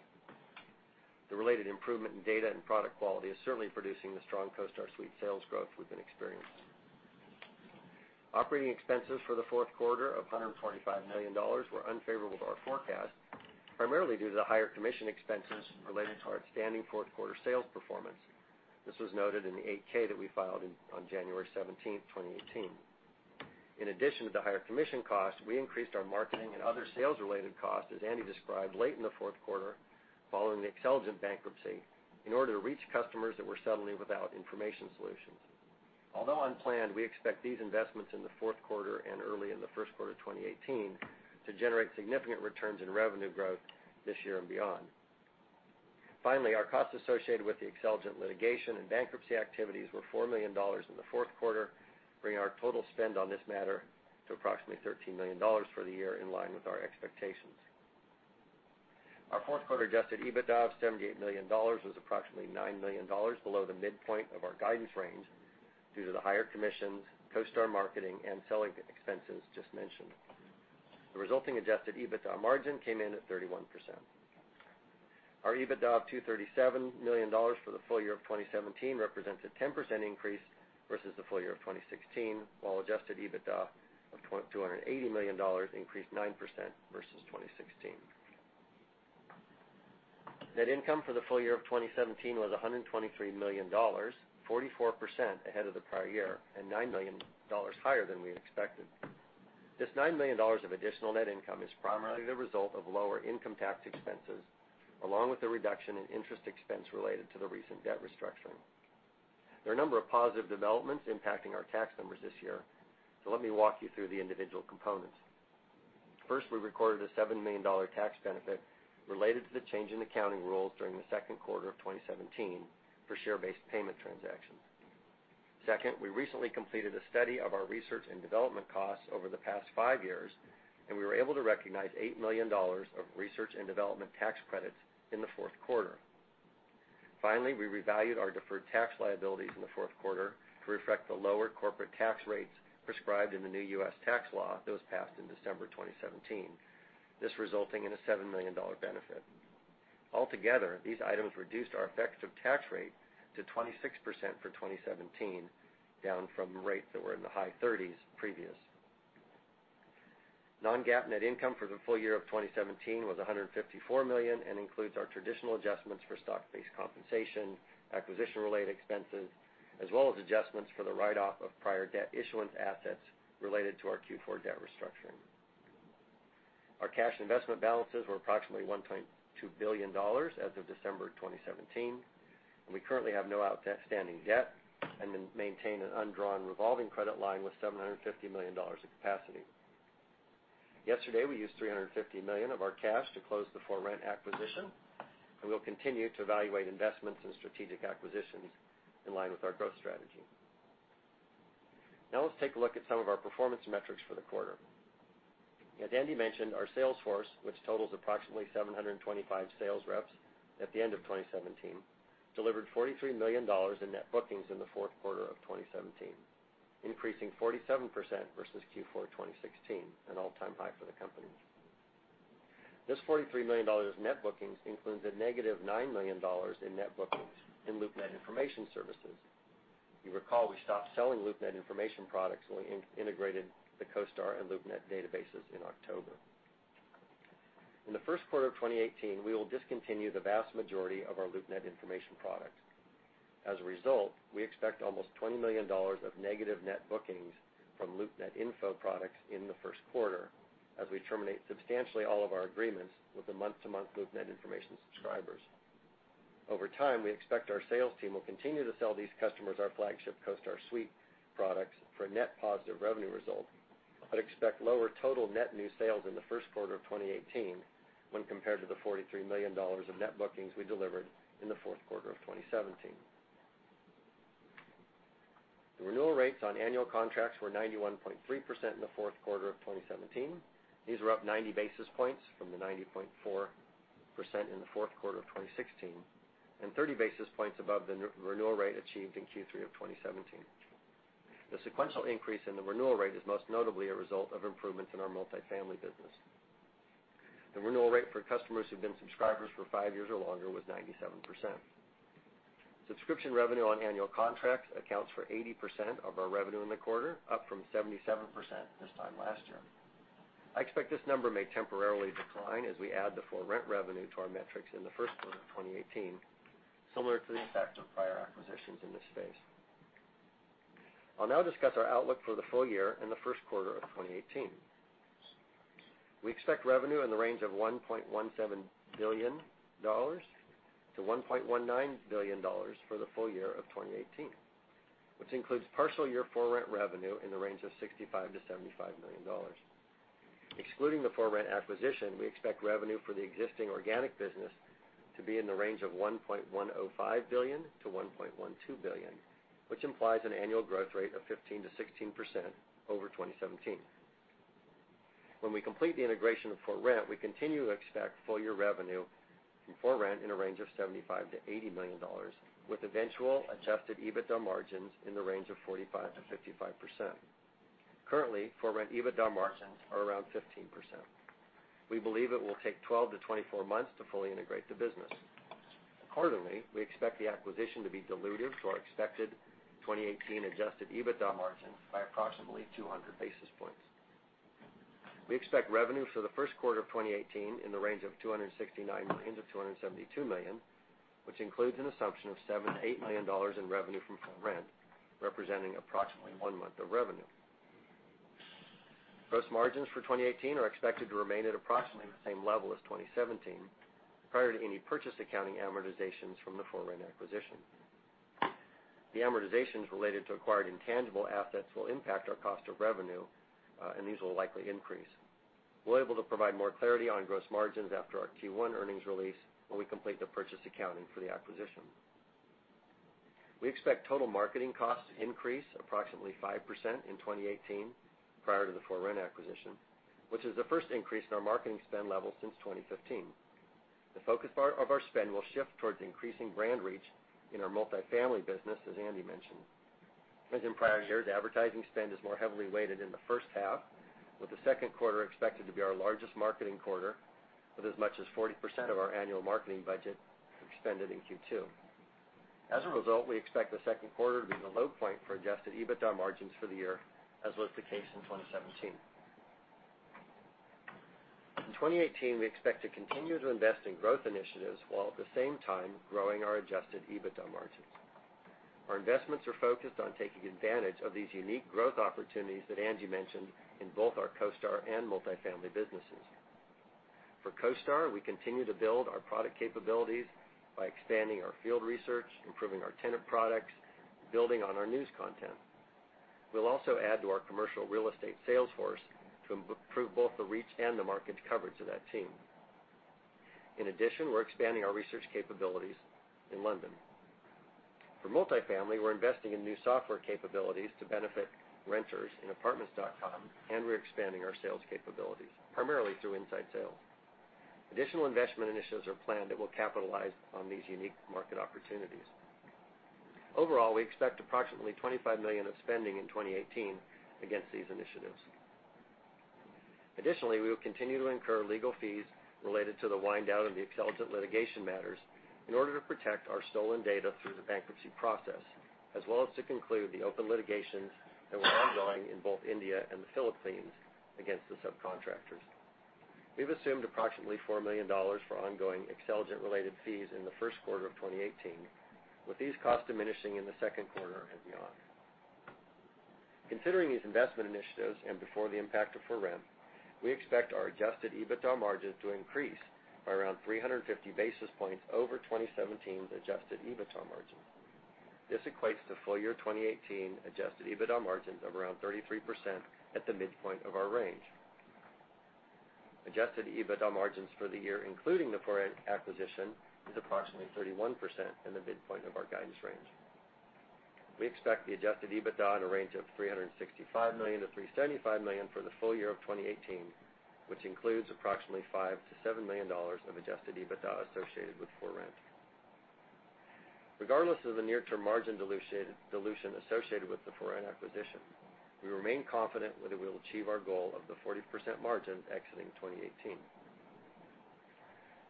The related improvement in data and product quality is certainly producing the strong CoStar Suite sales growth we've been experiencing. Operating expenses for the fourth quarter of $125 million were unfavorable to our forecast, primarily due to the higher commission expenses related to our outstanding fourth quarter sales performance. This was noted in the 8-K that we filed on January 17, 2018. In addition to the higher commission cost, we increased our marketing and other sales-related costs, as Andy described, late in the fourth quarter, following the Xceligent bankruptcy, in order to reach customers that were suddenly without information solutions. Unplanned, we expect these investments in the fourth quarter and early in the first quarter of 2018 to generate significant returns in revenue growth this year and beyond. Finally, our costs associated with the Xceligent litigation and bankruptcy activities were $4 million in the fourth quarter, bringing our total spend on this matter to approximately $13 million for the year in line with our expectations. Our fourth quarter adjusted EBITDA of $78 million was approximately $9 million below the midpoint of our guidance range due to the higher commissions, CoStar marketing, and selling expenses just mentioned. The resulting adjusted EBITDA margin came in at 31%. Our EBITDA of $237 million for the full year of 2017 represents a 10% increase versus the full year of 2016, while adjusted EBITDA of $280 million increased 9% versus 2016. Net income for the full year of 2017 was $123 million, 44% ahead of the prior year, and $9 million higher than we expected. This $9 million of additional net income is primarily the result of lower income tax expenses, along with the reduction in interest expense related to the recent debt restructuring. There are a number of positive developments impacting our tax numbers this year. Let me walk you through the individual components. First, we recorded a $7 million tax benefit related to the change in accounting rules during the second quarter of 2017 for share-based payment transactions. Second, we recently completed a study of our research and development costs over the past five years. We were able to recognize $8 million of research and development tax credits in the fourth quarter. Finally, we revalued our deferred tax liabilities in the fourth quarter to reflect the lower corporate tax rates prescribed in the new U.S. tax law that was passed in December 2017. This resulting in a $7 million benefit. Altogether, these items reduced our effective tax rate to 26% for 2017, down from rates that were in the high 30s previous. Non-GAAP net income for the full year of 2017 was $154 million and includes our traditional adjustments for stock-based compensation, acquisition-related expenses, as well as adjustments for the write-off of prior debt issuance assets related to our Q4 debt restructuring. Our cash investment balances were approximately $1.2 billion as of December 2017. We currently have no outstanding debt and maintain an undrawn revolving credit line with $750 million of capacity. Yesterday, we used $350 million of our cash to close the ForRent acquisition. We'll continue to evaluate investments and strategic acquisitions in line with our growth strategy. Let's take a look at some of our performance metrics for the quarter. As Andy mentioned, our sales force, which totals approximately 725 sales reps at the end of 2017, delivered $43 million in net bookings in the fourth quarter of 2017, increasing 47% versus Q4 2016, an all-time high for the company. This $43 million net bookings includes a negative $9 million in net bookings in LoopNet information services. You recall we stopped selling LoopNet information products when we integrated the CoStar and LoopNet databases in October. In the first quarter of 2018, we will discontinue the vast majority of our LoopNet information products. As a result, we expect almost $20 million of negative net bookings from LoopNet info products in the first quarter as we terminate substantially all of our agreements with the month-to-month LoopNet information subscribers. Over time, we expect our sales team will continue to sell these customers our flagship CoStar Suite products for net positive revenue result. We expect lower total net new sales in the first quarter of 2018 when compared to the $43 million of net bookings we delivered in the fourth quarter of 2017. The renewal rates on annual contracts were 91.3% in the fourth quarter of 2017. These were up 90 basis points from the 90.4% in the fourth quarter of 2016. 30 basis points above the renewal rate achieved in Q3 of 2017. The sequential increase in the renewal rate is most notably a result of improvements in our multifamily business. The renewal rate for customers who've been subscribers for five years or longer was 97%. Subscription revenue on annual contracts accounts for 80% of our revenue in the quarter, up from 77% this time last year. I expect this number may temporarily decline as we add the ForRent revenue to our metrics in the first quarter of 2018, similar to the effect of prior acquisitions in this space. I'll now discuss our outlook for the full year and the first quarter of 2018. We expect revenue in the range of $1.17 billion-$1.19 billion for the full year of 2018, which includes partial year ForRent revenue in the range of $65 million-$75 million. Excluding the ForRent acquisition, we expect revenue for the existing organic business to be in the range of $1.105 billion-$1.12 billion, which implies an annual growth rate of 15%-16% over 2017. When we complete the integration of ForRent, we continue to expect full-year revenue from ForRent in a range of $75 million-$80 million, with eventual adjusted EBITDA margins in the range of 45%-55%. Currently, ForRent EBITDA margins are around 15%. We believe it will take 12-24 months to fully integrate the business. Accordingly, we expect the acquisition to be dilutive to our expected 2018 adjusted EBITDA margins by approximately 200 basis points. We expect revenue for the first quarter of 2018 in the range of $269 million-$272 million, which includes an assumption of $78 million in revenue from ForRent, representing approximately one month of revenue. Gross margins for 2018 are expected to remain at approximately the same level as 2017, prior to any purchase accounting amortizations from the ForRent acquisition. The amortizations related to acquired intangible assets will impact our cost of revenue, and these will likely increase. We're able to provide more clarity on gross margins after our Q1 earnings release when we complete the purchase accounting for the acquisition. We expect total marketing costs to increase approximately 5% in 2018, prior to the ForRent acquisition, which is the first increase in our marketing spend level since 2015. The focus part of our spend will shift towards increasing brand reach in our multifamily business, as Andy mentioned. As in prior years, advertising spend is more heavily weighted in the first half, with the second quarter expected to be our largest marketing quarter, with as much as 40% of our annual marketing budget expended in Q2. As a result, we expect the second quarter to be the low point for adjusted EBITDA margins for the year, as was the case in 2017. In 2018, we expect to continue to invest in growth initiatives while at the same time growing our adjusted EBITDA margins. Our investments are focused on taking advantage of these unique growth opportunities that Andy mentioned in both our CoStar and multifamily businesses. For CoStar, we continue to build our product capabilities by expanding our field research, improving our tenant products, and building on our news content. We'll also add to our commercial real estate sales force to improve both the reach and the market coverage of that team. In addition, we're expanding our research capabilities in London. For multifamily, we're investing in new software capabilities to benefit renters in Apartments.com, and we're expanding our sales capabilities, primarily through inside sales. Additional investment initiatives are planned that will capitalize on these unique market opportunities. Overall, we expect approximately $25 million of spending in 2018 against these initiatives. Additionally, we will continue to incur legal fees related to the wind-down of the Xceligent litigation matters in order to protect our stolen data through the bankruptcy process, as well as to conclude the open litigations that were ongoing in both India and the Philippines against the subcontractors. We've assumed approximately $4 million for ongoing Xceligent-related fees in the first quarter of 2018, with these costs diminishing in the second quarter and beyond. Considering these investment initiatives, and before the impact of ForRent, we expect our adjusted EBITDA margins to increase by around 350 basis points over 2017's adjusted EBITDA margins. This equates to full-year 2018 adjusted EBITDA margins of around 33% at the midpoint of our range. Adjusted EBITDA margins for the year including the ForRent acquisition is approximately 31% in the midpoint of our guidance range. We expect the adjusted EBITDA in a range of $365 million-$375 million for the full year of 2018, which includes approximately $5 million-$7 million of adjusted EBITDA associated with ForRent. Regardless of the near-term margin dilution associated with the ForRent acquisition, we remain confident that we will achieve our goal of the 40% margin exiting 2018.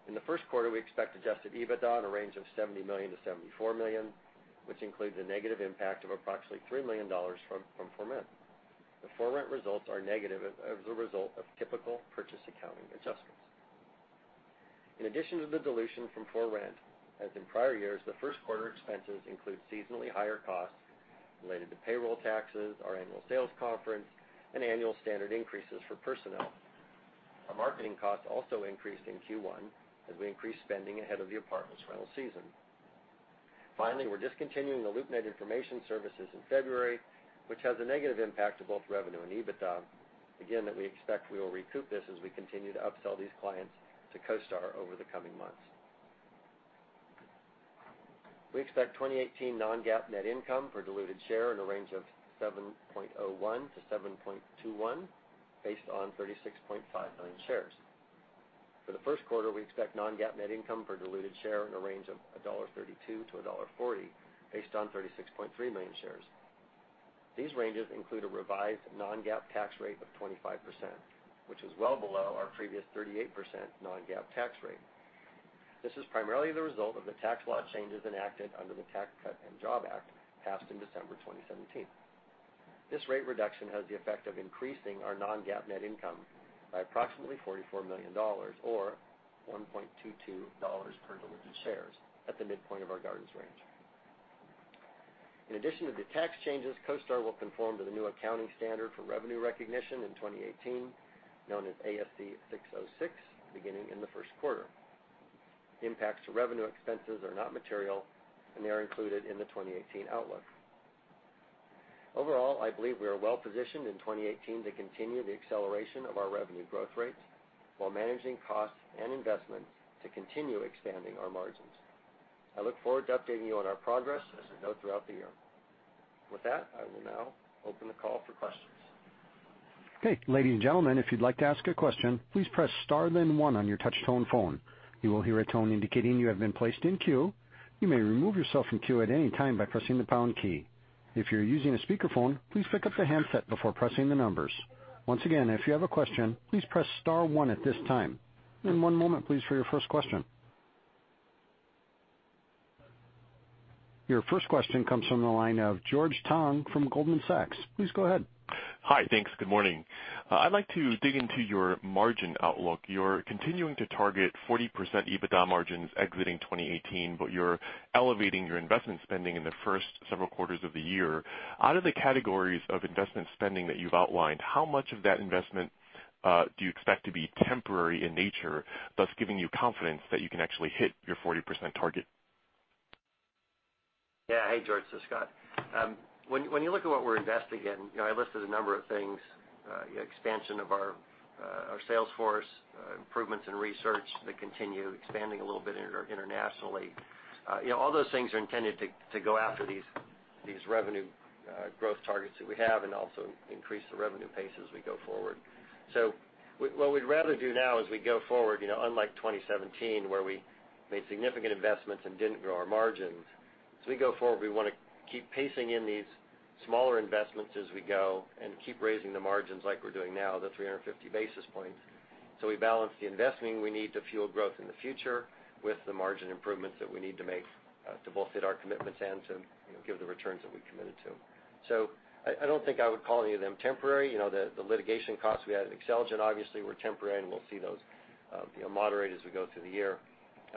In the first quarter, we expect adjusted EBITDA in a range of $70 million-$74 million, which includes a negative impact of approximately $3 million from ForRent. The ForRent results are negative as a result of typical purchase accounting adjustments. In addition to the dilution from ForRent, as in prior years, the first quarter expenses include seasonally higher costs related to payroll taxes, our annual sales conference, and annual standard increases for personnel. Our marketing costs also increased in Q1 as we increased spending ahead of the apartments rental season. Finally, we're discontinuing the LoopNet information services in February, which has a negative impact to both revenue and EBITDA. We expect we will recoup this as we continue to upsell these clients to CoStar over the coming months. We expect 2018 non-GAAP net income per diluted share in a range of $7.01-$7.21, based on 36.5 million shares. For the first quarter, we expect non-GAAP net income per diluted share in a range of $1.32-$1.40, based on 36.3 million shares. These ranges include a revised non-GAAP tax rate of 25%, which is well below our previous 38% non-GAAP tax rate. This is primarily the result of the tax law changes enacted under the Tax Cuts and Jobs Act passed in December 2017. This rate reduction has the effect of increasing our non-GAAP net income by approximately $44 million, or $1.22 per diluted shares at the midpoint of our guidance range. In addition to the tax changes, CoStar will conform to the new accounting standard for revenue recognition in 2018, known as ASC 606, beginning in the first quarter. Impacts to revenue expenses are not material, and they are included in the 2018 outlook. Overall, I believe we are well-positioned in 2018 to continue the acceleration of our revenue growth rates while managing costs and investments to continue expanding our margins. I look forward to updating you on our progress as a note throughout the year. With that, I will now open the call for questions. Okay. Ladies and gentlemen, if you'd like to ask a question, please press star then one on your touch-tone phone. You will hear a tone indicating you have been placed in queue. You may remove yourself from queue at any time by pressing the pound key. If you're using a speakerphone, please pick up the handset before pressing the numbers. Once again, if you have a question, please press star one at this time. One moment, please, for your first question. Your first question comes from the line of George Tong from Goldman Sachs. Please go ahead. Hi. Thanks. Good morning. I'd like to dig into your margin outlook. You're continuing to target 40% EBITDA margins exiting 2018, but you're elevating your investment spending in the first several quarters of the year. Out of the categories of investment spending that you've outlined, how much of that investment do you expect to be temporary in nature, thus giving you confidence that you can actually hit your 40% target? Yeah. Hey, George. This is Scott. When you look at what we're investing in, I listed a number of things, expansion of our sales force, improvements in research that continue expanding a little bit internationally. All those things are intended to go after these revenue growth targets that we have and also increase the revenue pace as we go forward. What we'd rather do now as we go forward, unlike 2017 where we made significant investments and didn't grow our margins, as we go forward, we want to keep pacing in these smaller investments as we go and keep raising the margins like we're doing now, the 350 basis points. We balance the investing we need to fuel growth in the future with the margin improvements that we need to make to both hit our commitments and to give the returns that we committed to. I don't think I would call any of them temporary. The litigation costs we had in Xceligent obviously were temporary, and we'll see those moderate as we go through the year.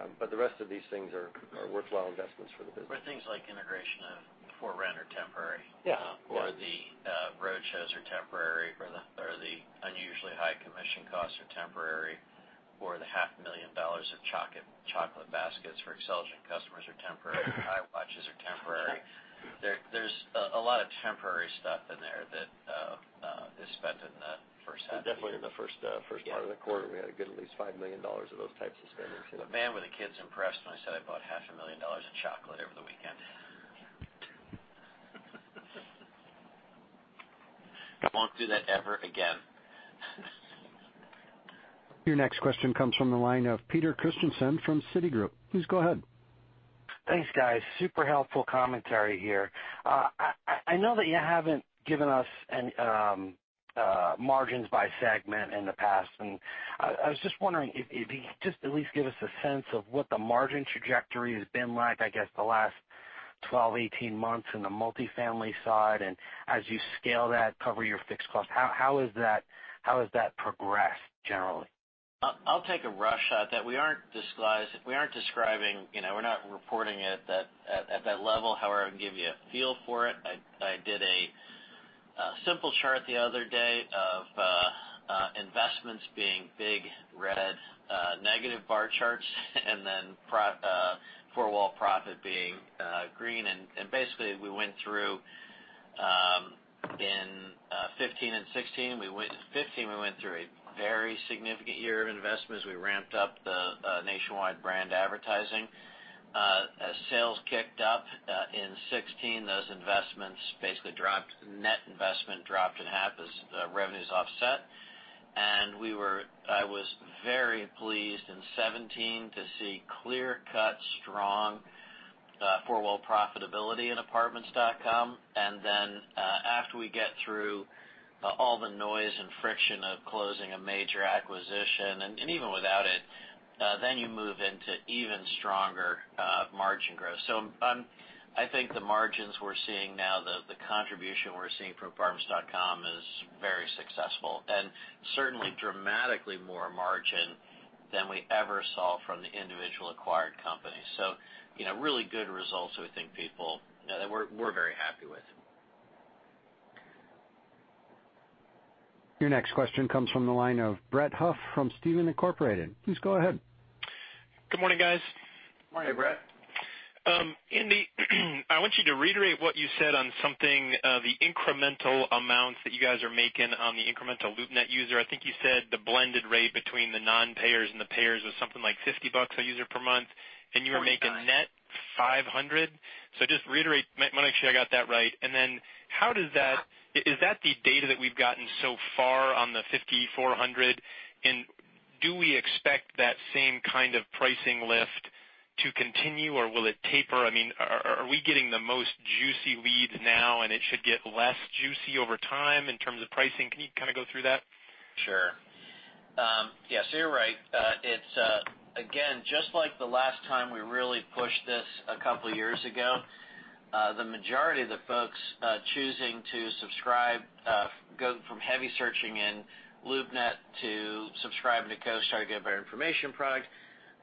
The rest of these things are worthwhile investments for the business. Things like integration of ForRent are temporary. Yeah. The road shows are temporary, or the unusually high commission costs are temporary, or the half million dollars of chocolate baskets for Xceligent customers are temporary. The iWatches are temporary. There's a lot of temporary stuff in there that is spent in the first half. They're definitely in the first part of the quarter. Yeah. We had to get at least $5 million of those types of spendings in. The man with the kids impressed when I said I bought half a million dollars in chocolate over the weekend. I won't do that ever again. Your next question comes from the line of Peter Christiansen from Citigroup. Please go ahead. Thanks, guys. Super helpful commentary here. I know that you haven't given us margins by segment in the past. I was just wondering if you could just at least give us a sense of what the margin trajectory has been like, I guess, the last 12, 18 months in the multifamily side. As you scale that, cover your fixed cost, how has that progressed generally? I'll take a rush at that. We aren't describing, we're not reporting it at that level. However, I can give you a feel for it. I did a simple chart the other day of investments being big red negative bar charts, and overall profit being green. Basically, we went through in 2015 and 2016. In 2015, we went through a very significant year of investments. We ramped up the Nationwide brand advertising. As sales kicked up in 2016, those investments basically dropped. Net investment dropped in half as the revenues offset. I was very pleased in 2017 to see clear-cut, strong overall profitability in Apartments.com. After we get through all the noise and friction of closing a major acquisition, and even without it, you move into even stronger margin growth. I think the margins we're seeing now, the contribution we're seeing from Apartments.com is very successful, and certainly dramatically more margin than we ever saw from the individual acquired company. Really good results that we're very happy with. Your next question comes from the line of Brett Huff from Stephens Incorporated. Please go ahead. Good morning, guys. Morning, Brett. Andy, I want you to reiterate what you said on something, the incremental amounts that you guys are making on the incremental LoopNet user. I think you said the blended rate between the non-payers and the payers was something like $50 a user per month, and you were making- Forty-nine net $500. Just to reiterate, I want to make sure I got that right, and then is that the data that we've gotten so far on the 5,400, and do we expect that same kind of pricing lift to continue, or will it taper? Are we getting the most juicy leads now, and it should get less juicy over time in terms of pricing? Can you kind of go through that? Sure. Yeah. You're right. It's again, just like the last time we really pushed this a couple of years ago. The majority of the folks choosing to subscribe go from heavy searching in LoopNet to subscribing to CoStar to get a better information product.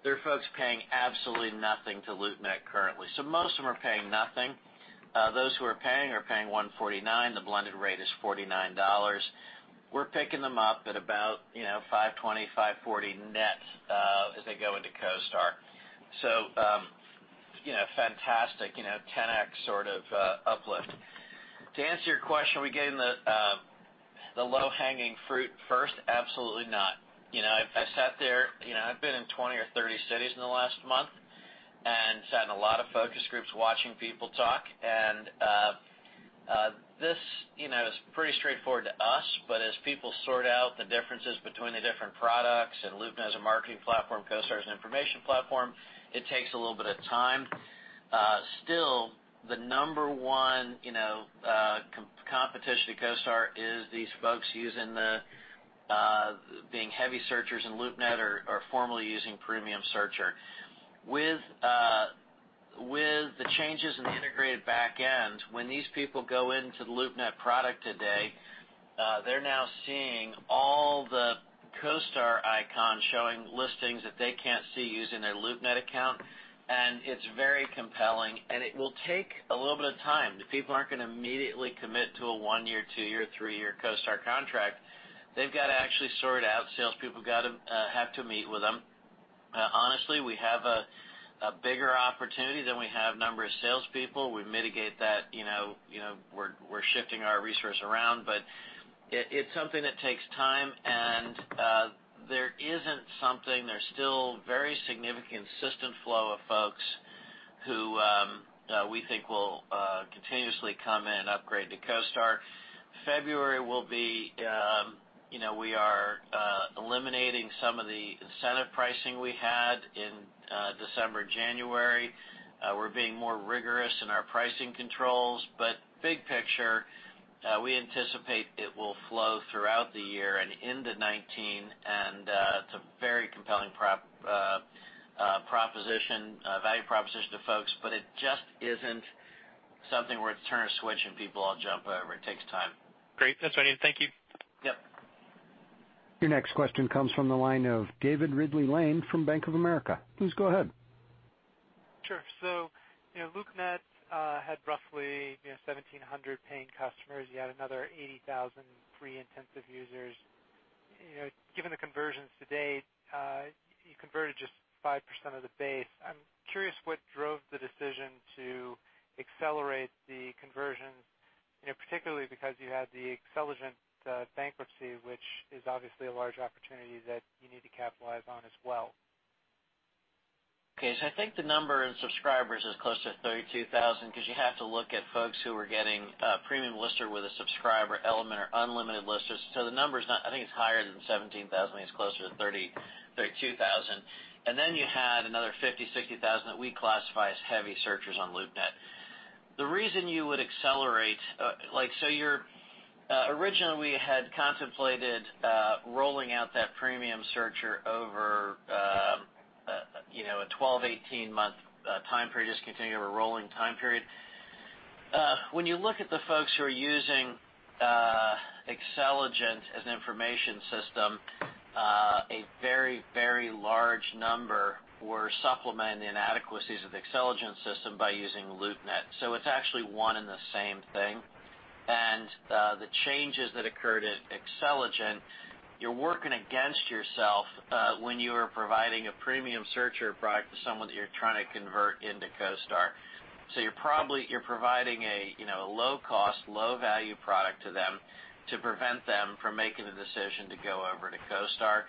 They're folks paying absolutely nothing to LoopNet currently. Most of them are paying nothing. Those who are paying are paying $149. The blended rate is $49. We're picking them up at about $520, $540 net as they go into CoStar. Fantastic, 10x sort of uplift. To answer your question, are we getting the low-hanging fruit first? Absolutely not. I've sat there, I've been in 20 or 30 cities in the last month and sat in a lot of focus groups watching people talk. This is pretty straightforward to us, but as people sort out the differences between the different products, LoopNet as a marketing platform, CoStar as an information platform, it takes a little bit of time. Still, the number one competition to CoStar is these folks being heavy searchers in LoopNet or formerly using Premium Searcher. With the changes in the integrated back end, when these people go into the LoopNet product today, they are now seeing all the CoStar icons showing listings that they cannot see using their LoopNet account, and it is very compelling, and it will take a little bit of time. The people are not going to immediately commit to a one-year, two-year, three-year CoStar contract. They have got to actually sort out. Salespeople have to meet with them. Honestly, we have a bigger opportunity than we have number of salespeople. We mitigate that. We are shifting our resource around, it is something that takes time. There is still very significant system flow of folks who we think will continuously come in and upgrade to CoStar. February, we are eliminating some of the incentive pricing we had in December, January. We are being more rigorous in our pricing controls. Big picture, we anticipate it will flow throughout the year and into 2019, it is a very compelling value proposition to folks, it just is not something where it is turn a switch and people all jump over. It takes time. Great. That is what I need. Thank you. Yep. Your next question comes from the line of David Ridley-Lane from Bank of America. Please go ahead. Sure. LoopNet had roughly 1,700 paying customers, you had another 80,000 free intensive users. Given the conversions to date, you converted just 5% of the base. I'm curious what drove the decision to accelerate the conversions, particularly because you had the Xceligent bankruptcy, which is obviously a large opportunity that you need to capitalize on as well. Okay. I think the number in subscribers is closer to 32,000 because you have to look at folks who are getting a Premium Lister with a subscriber element or unlimited listers. The number is not, I think it's higher than 17,000. I think it's closer to 32,000. You had another 50,000, 60,000 that we classify as heavy searchers on LoopNet. Originally, we had contemplated rolling out that Premium Searcher over a 12, 18-month time period, just continuing over a rolling time period. When you look at the folks who are using Xceligent as an information system, a very large number were supplementing inadequacies of the Xceligent system by using LoopNet. It's actually one and the same thing. The changes that occurred at Xceligent, you're working against yourself when you are providing a Premium Searcher product to someone that you're trying to convert into CoStar. You're providing a low cost, low value product to them to prevent them from making the decision to go over to CoStar,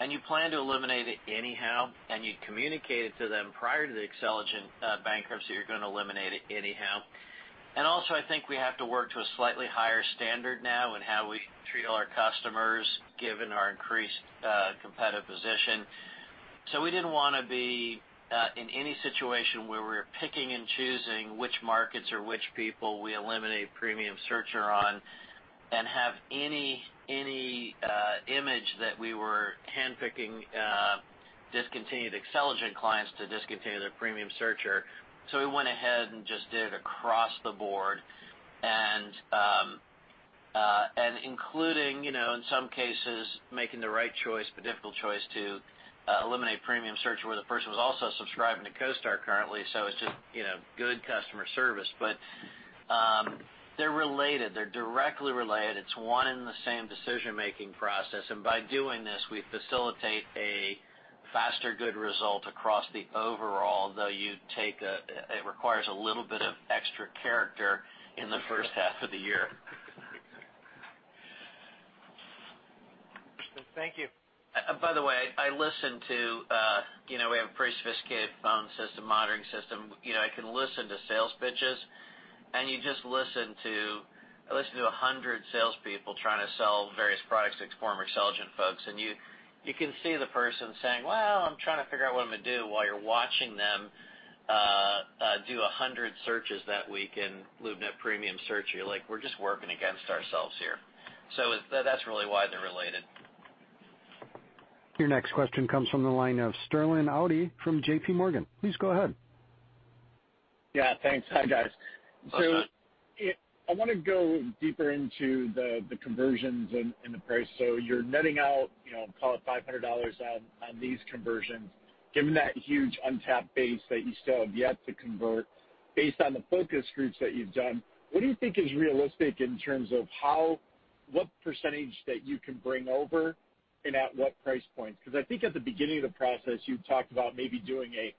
and you plan to eliminate it anyhow, and you communicated to them prior to the Xceligent bankruptcy, you're going to eliminate it anyhow. I think we have to work to a slightly higher standard now in how we treat all our customers, given our increased competitive position. We didn't want to be in any situation where we're picking and choosing which markets or which people we eliminate Premium Searcher on and have any image that we were handpicking discontinued Xceligent clients to discontinue their Premium Searcher. We went ahead and just did it across the board, and including in some cases, making the right choice, but difficult choice to eliminate Premium Searcher where the person was also subscribing to CoStar currently. It's just good customer service. They're related. They're directly related. It's one and the same decision-making process, and by doing this, we facilitate a faster good result across the overall, though it requires a little bit of extra character in the first half of the year. Thank you. By the way, we have a pretty sophisticated phone system, monitoring system. I can listen to sales pitches, and you just listen to 100 salespeople trying to sell various products to ex-former Xceligent folks, and you can see the person saying, "Well, I'm trying to figure out what I'm going to do," while you're watching them do 100 searches that week in LoopNet Premium Search. You're like, we're just working against ourselves here. That's really why they're related. Your next question comes from the line of Sterling Auty from JPMorgan. Please go ahead. Yeah, thanks. Hi, guys. What's up? I want to go deeper into the conversions and the price. You're netting out, call it $500 on these conversions. Given that huge untapped base that you still have yet to convert based on the focus groups that you've done, what do you think is realistic in terms of what percentage that you can bring over and at what price points? Because I think at the beginning of the process, you talked about maybe doing a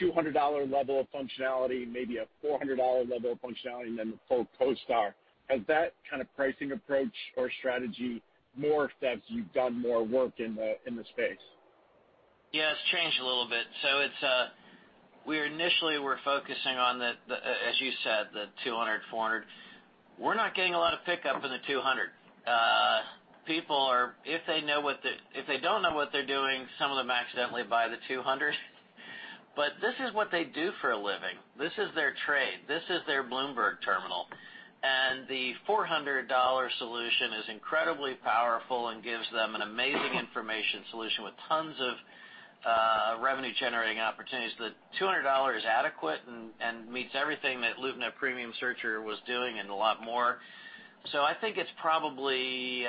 $200 level of functionality, maybe a $400 level of functionality, and then the full CoStar. Has that kind of pricing approach or strategy morphed as you've done more work in the space? Yeah, it's changed a little bit. Initially, we're focusing on the, as you said, the $200, $400. We're not getting a lot of pickup in the $200. If they don't know what they're doing, some of them accidentally buy the $200. This is what they do for a living. This is their trade. This is their Bloomberg terminal. The $400 solution is incredibly powerful and gives them an amazing information solution with tons of revenue-generating opportunities. The $200 is adequate and meets everything that LoopNet Premium Searcher was doing and a lot more. I think it's probably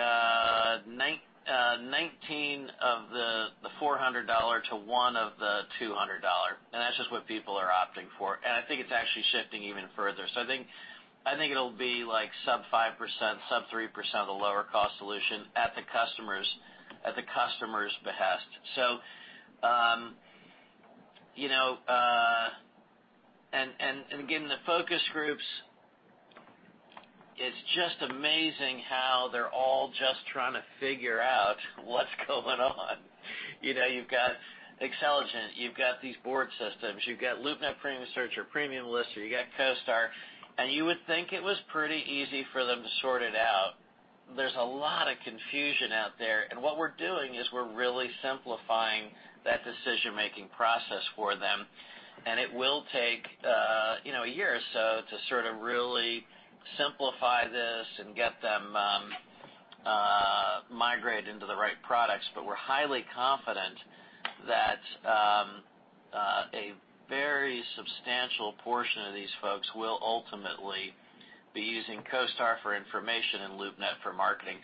19 of the $400 to one of the $200. That's just what people are opting for. I think it's actually shifting even further. I think it'll be sub 5%, sub 3% of the lower-cost solution at the customer's behest. Again, the focus groups, it's just amazing how they're all just trying to figure out what's going on. You've got Xceligent, you've got these board systems, you've got LoopNet Premium Searcher or Premium Lister, or you've got CoStar. You would think it was pretty easy for them to sort it out. There's a lot of confusion out there. What we're doing is we're really simplifying that decision-making process for them. It will take a year or so to sort of really simplify this and get them migrated into the right products. We're highly confident that a very substantial portion of these folks will ultimately be using CoStar for information and LoopNet for marketing.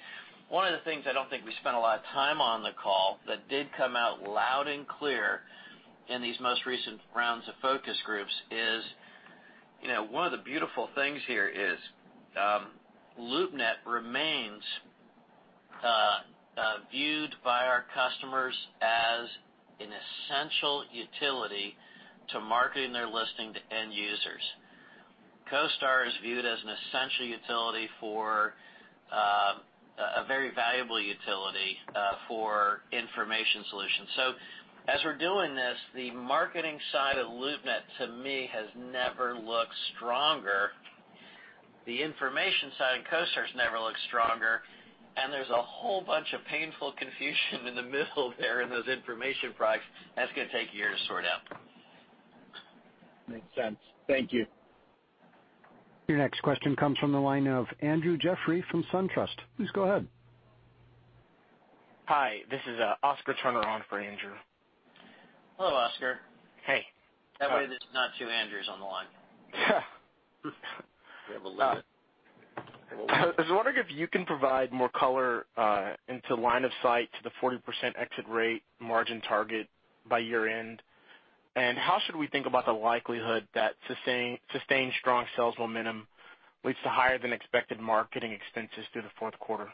One of the things I don't think we spent a lot of time on the call that did come out loud and clear in these most recent rounds of focus groups is, one of the beautiful things here is LoopNet remains viewed by our customers as an essential utility to marketing their listing to end users. CoStar is viewed as a very valuable utility for information solutions. As we're doing this, the marketing side of LoopNet, to me, has never looked stronger. The information side of CoStar has never looked stronger, and there's a whole bunch of painful confusion in the middle there in those information products that's going to take a year to sort out. Makes sense. Thank you. Your next question comes from the line of Andrew Jeffrey from SunTrust. Please go ahead. Hi, this is Oscar Turner on for Andrew. Hello, Oscar. Hey. That way there's not two Andrews on the line. Yeah. We have a limit. I was wondering if you can provide more color into line of sight to the 40% exit rate margin target by year-end. How should we think about the likelihood that sustained strong sales momentum leads to higher-than-expected marketing expenses through the fourth quarter?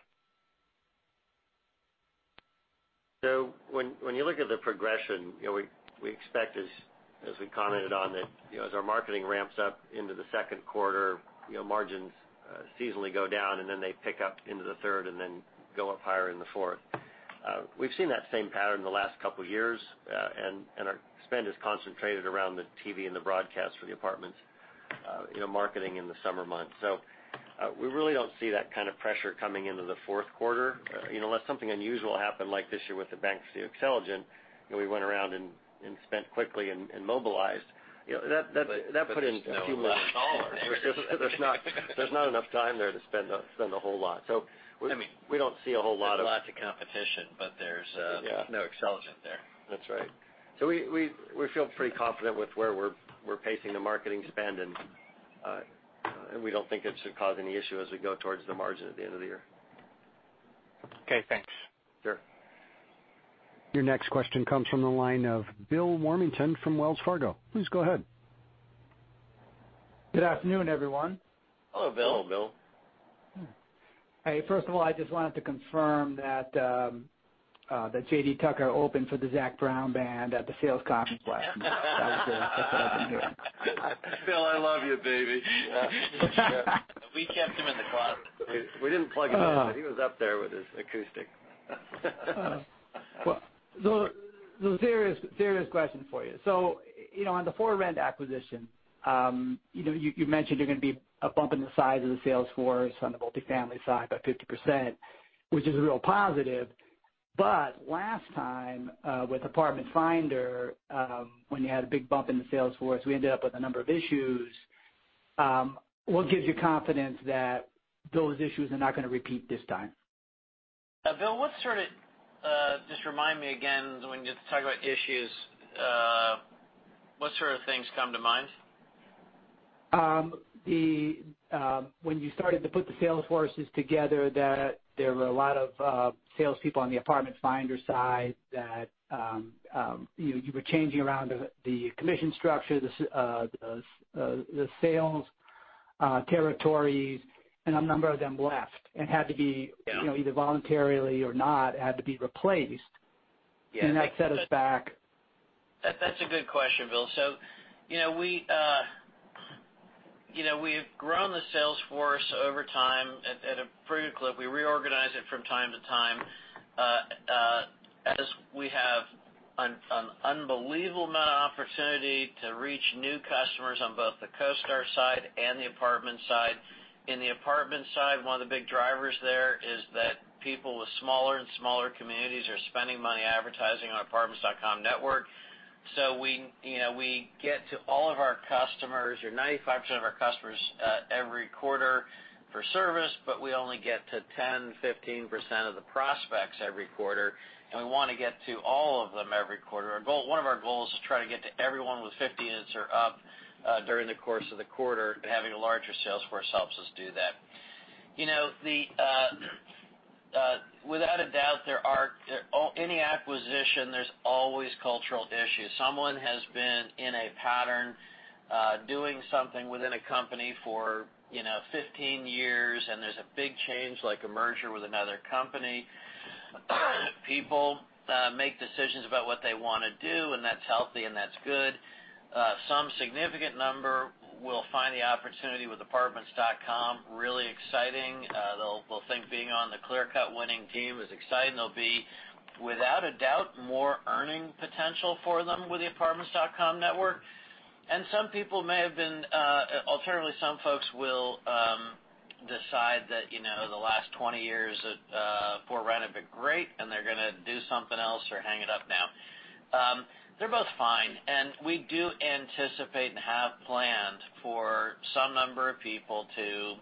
When you look at the progression, we expect as we commented on, that as our marketing ramps up into the second quarter, margins seasonally go down, and then they pick up into the third and then go up higher in the fourth. We've seen that same pattern the last couple of years, and our spend is concentrated around the TV and the broadcast for the apartments marketing in the summer months. We really don't see that kind of pressure coming into the fourth quarter. Unless something unusual happened like this year with the bankruptcy of Xceligent, we went around and spent quickly and mobilized. That put in a few million dollars. There's not enough time there to spend a whole lot. There's lots of competition, but there's Yeah no Xceligent there. That's right. We feel pretty confident with where we're pacing the marketing spend, and we don't think it should cause any issue as we go towards the margin at the end of the year. Okay, thanks. Sure. Your next question comes from the line of Bill Warmington from Wells Fargo. Please go ahead. Good afternoon, everyone. Hello, Bill. Hello, Bill. Hey. First of all, I just wanted to confirm that JD Tucker opened for the Zac Brown Band at the sales conference last week. Bill, I love you, baby. We kept him in the closet. We didn't plug him in, he was up there with his acoustic. A serious question for you. On the ForRent acquisition, you mentioned you're going to be bumping the size of the sales force on the multifamily side by 50%, which is a real positive. Last time with Apartment Finder, when you had a big bump in the sales force, we ended up with a number of issues. What gives you confidence that those issues are not going to repeat this time? Bill, just remind me again, when you talk about issues, what sort of things come to mind? When you started to put the sales forces together, there were a lot of salespeople on the Apartment Finder side that you were changing around the commission structure, the sales territories, and a number of them left and either voluntarily or not, had to be replaced. Yeah. That set us back. That's a good question, Bill. We've grown the sales force over time at a pretty good clip. We reorganize it from time to time, as we have an unbelievable amount of opportunity to reach new customers on both the CoStar side and the Apartment side. In the Apartment side, one of the big drivers there is that people with smaller and smaller communities are spending money advertising on Apartments.com network. We get to all of our customers, or 95% of our customers, every quarter for service, but we only get to 10%-15% of the prospects every quarter, and we want to get to all of them every quarter. One of our goals is try to get to everyone with 50 units or up during the course of the quarter, and having a larger sales force helps us do that. Without a doubt, any acquisition, there's always cultural issues. Someone has been in a pattern, doing something within a company for 15 years, and there's a big change, like a merger with another company. People make decisions about what they want to do, and that's healthy and that's good. Some significant number will find the opportunity with Apartments.com really exciting. They'll think being on the clear-cut winning team is exciting. There'll be, without a doubt, more earning potential for them with the Apartments.com network. Alternatively, some folks will decide that the last 20 years at ForRent have been great, and they're going to do something else or hang it up now. They're both fine, and we do anticipate and have planned for some number of people to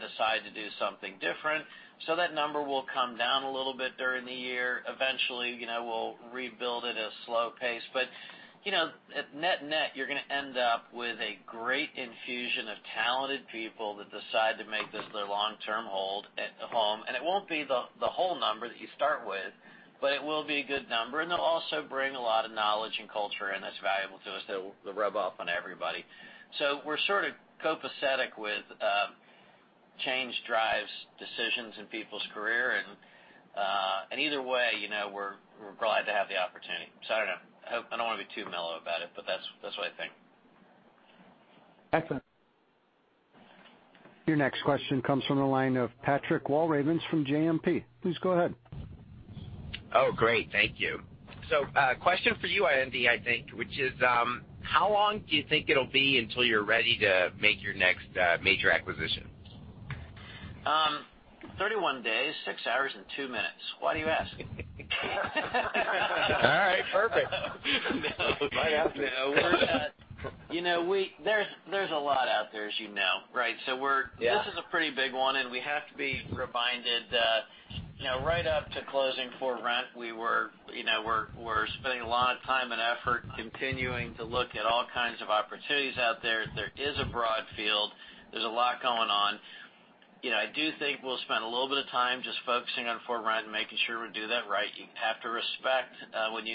decide to do something different. That number will come down a little bit during the year. Eventually, we'll rebuild at a slow pace. At net, you're going to end up with a great infusion of talented people that decide to make this their long-term home. It won't be the whole number that you start with, but it will be a good number, and they'll also bring a lot of knowledge and culture in that's valuable to us, that will rub off on everybody. We're sort of copacetic with change drives decisions in people's career, and either way, we're glad to have the opportunity. I don't know. I don't want to be too mellow about it, but that's what I think. Excellent. Your next question comes from the line of Patrick Walravens from JMP. Please go ahead. Oh, great. Thank you. Question for you, Andy, I think, which is how long do you think it'll be until you're ready to make your next major acquisition? 31 days, six hours, and two minutes. Why do you ask? All right. Perfect. No. There's a lot out there, as you know, right? Yeah. This is a pretty big one, and we have to be reminded that right up to closing ForRent, we're spending a lot of time and effort continuing to look at all kinds of opportunities out there. There is a broad field. There's a lot going on. I do think we'll spend a little bit of time just focusing on ForRent and making sure we do that right. You have to respect when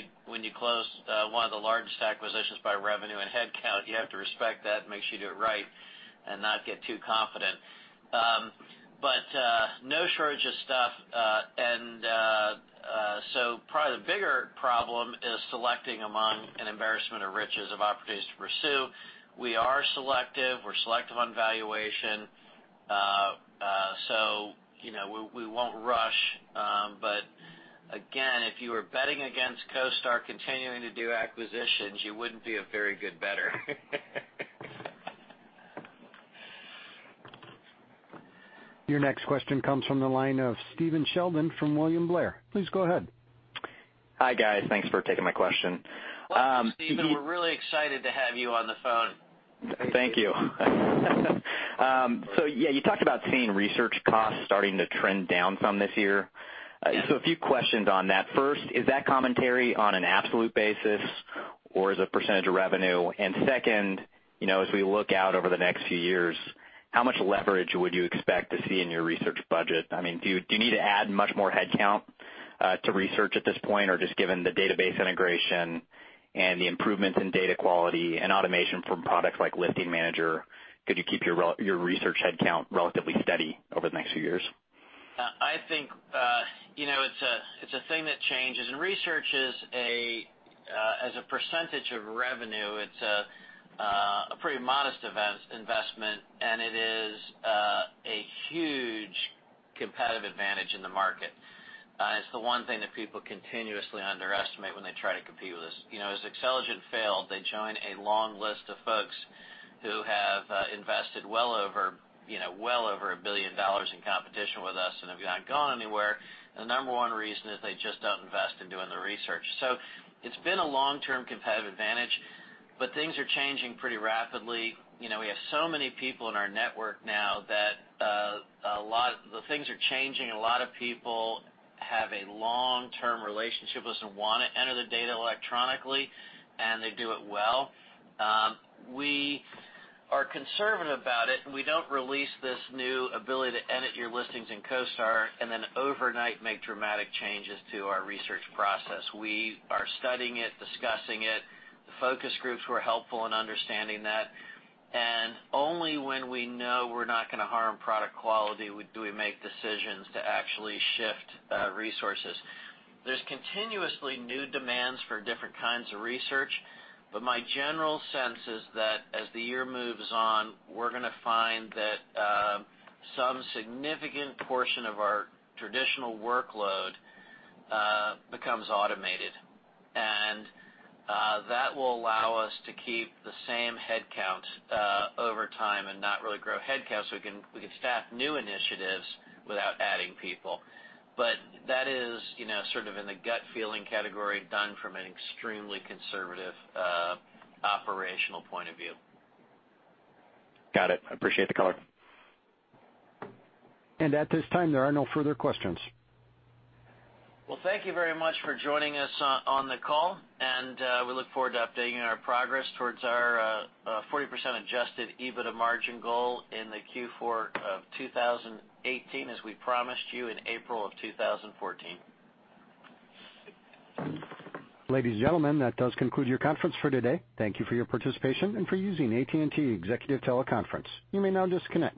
you close one of the largest acquisitions by revenue and headcount, you have to respect that and make sure you do it right and not get too confident. No shortage of stuff. Probably the bigger problem is selecting among an embarrassment of riches of opportunities to pursue. We are selective. We're selective on valuation. We won't rush. Again, if you were betting against CoStar continuing to do acquisitions, you wouldn't be a very good bettor. Your next question comes from the line of Stephen Sheldon from William Blair. Please go ahead. Hi, guys. Thanks for taking my question. Welcome, Stephen. We're really excited to have you on the phone. Thank you. Yeah, you talked about seeing research costs starting to trend down some this year. Yes. A few questions on that. First, is that commentary on an absolute basis or as a percentage of revenue? Second, as we look out over the next few years, how much leverage would you expect to see in your research budget? Do you need to add much more headcount to research at this point, or just given the database integration and the improvements in data quality and automation from products like Listing Manager, could you keep your research headcount relatively steady over the next few years? Research, as a percentage of revenue, it's a pretty modest investment. It is a huge competitive advantage in the market. It's the one thing that people continuously underestimate when they try to compete with us. As Xceligent failed, they join a long list of folks who have invested well over $1 billion in competition with us and have not gone anywhere. The number one reason is they just don't invest in doing the research. It's been a long-term competitive advantage, but things are changing pretty rapidly. We have so many people in our network now that the things are changing. A lot of people have a long-term relationship with us and want to enter the data electronically, and they do it well. We are conservative about it. We don't release this new ability to edit your listings in CoStar and then overnight make dramatic changes to our research process. We are studying it, discussing it. The focus groups were helpful in understanding that. Only when we know we're not going to harm product quality do we make decisions to actually shift resources. There's continuously new demands for different kinds of research, but my general sense is that as the year moves on, we're going to find that some significant portion of our traditional workload becomes automated. That will allow us to keep the same headcount over time and not really grow headcount, so we can staff new initiatives without adding people. That is sort of in the gut feeling category, done from an extremely conservative operational point of view. Got it. I appreciate the color. At this time, there are no further questions. Thank you very much for joining us on the call. We look forward to updating our progress towards our 40% adjusted EBITDA margin goal in the Q4 of 2018, as we promised you in April of 2014. Ladies and gentlemen, that does conclude your conference for today. Thank you for your participation and for using AT&T Executive Teleconference. You may now disconnect.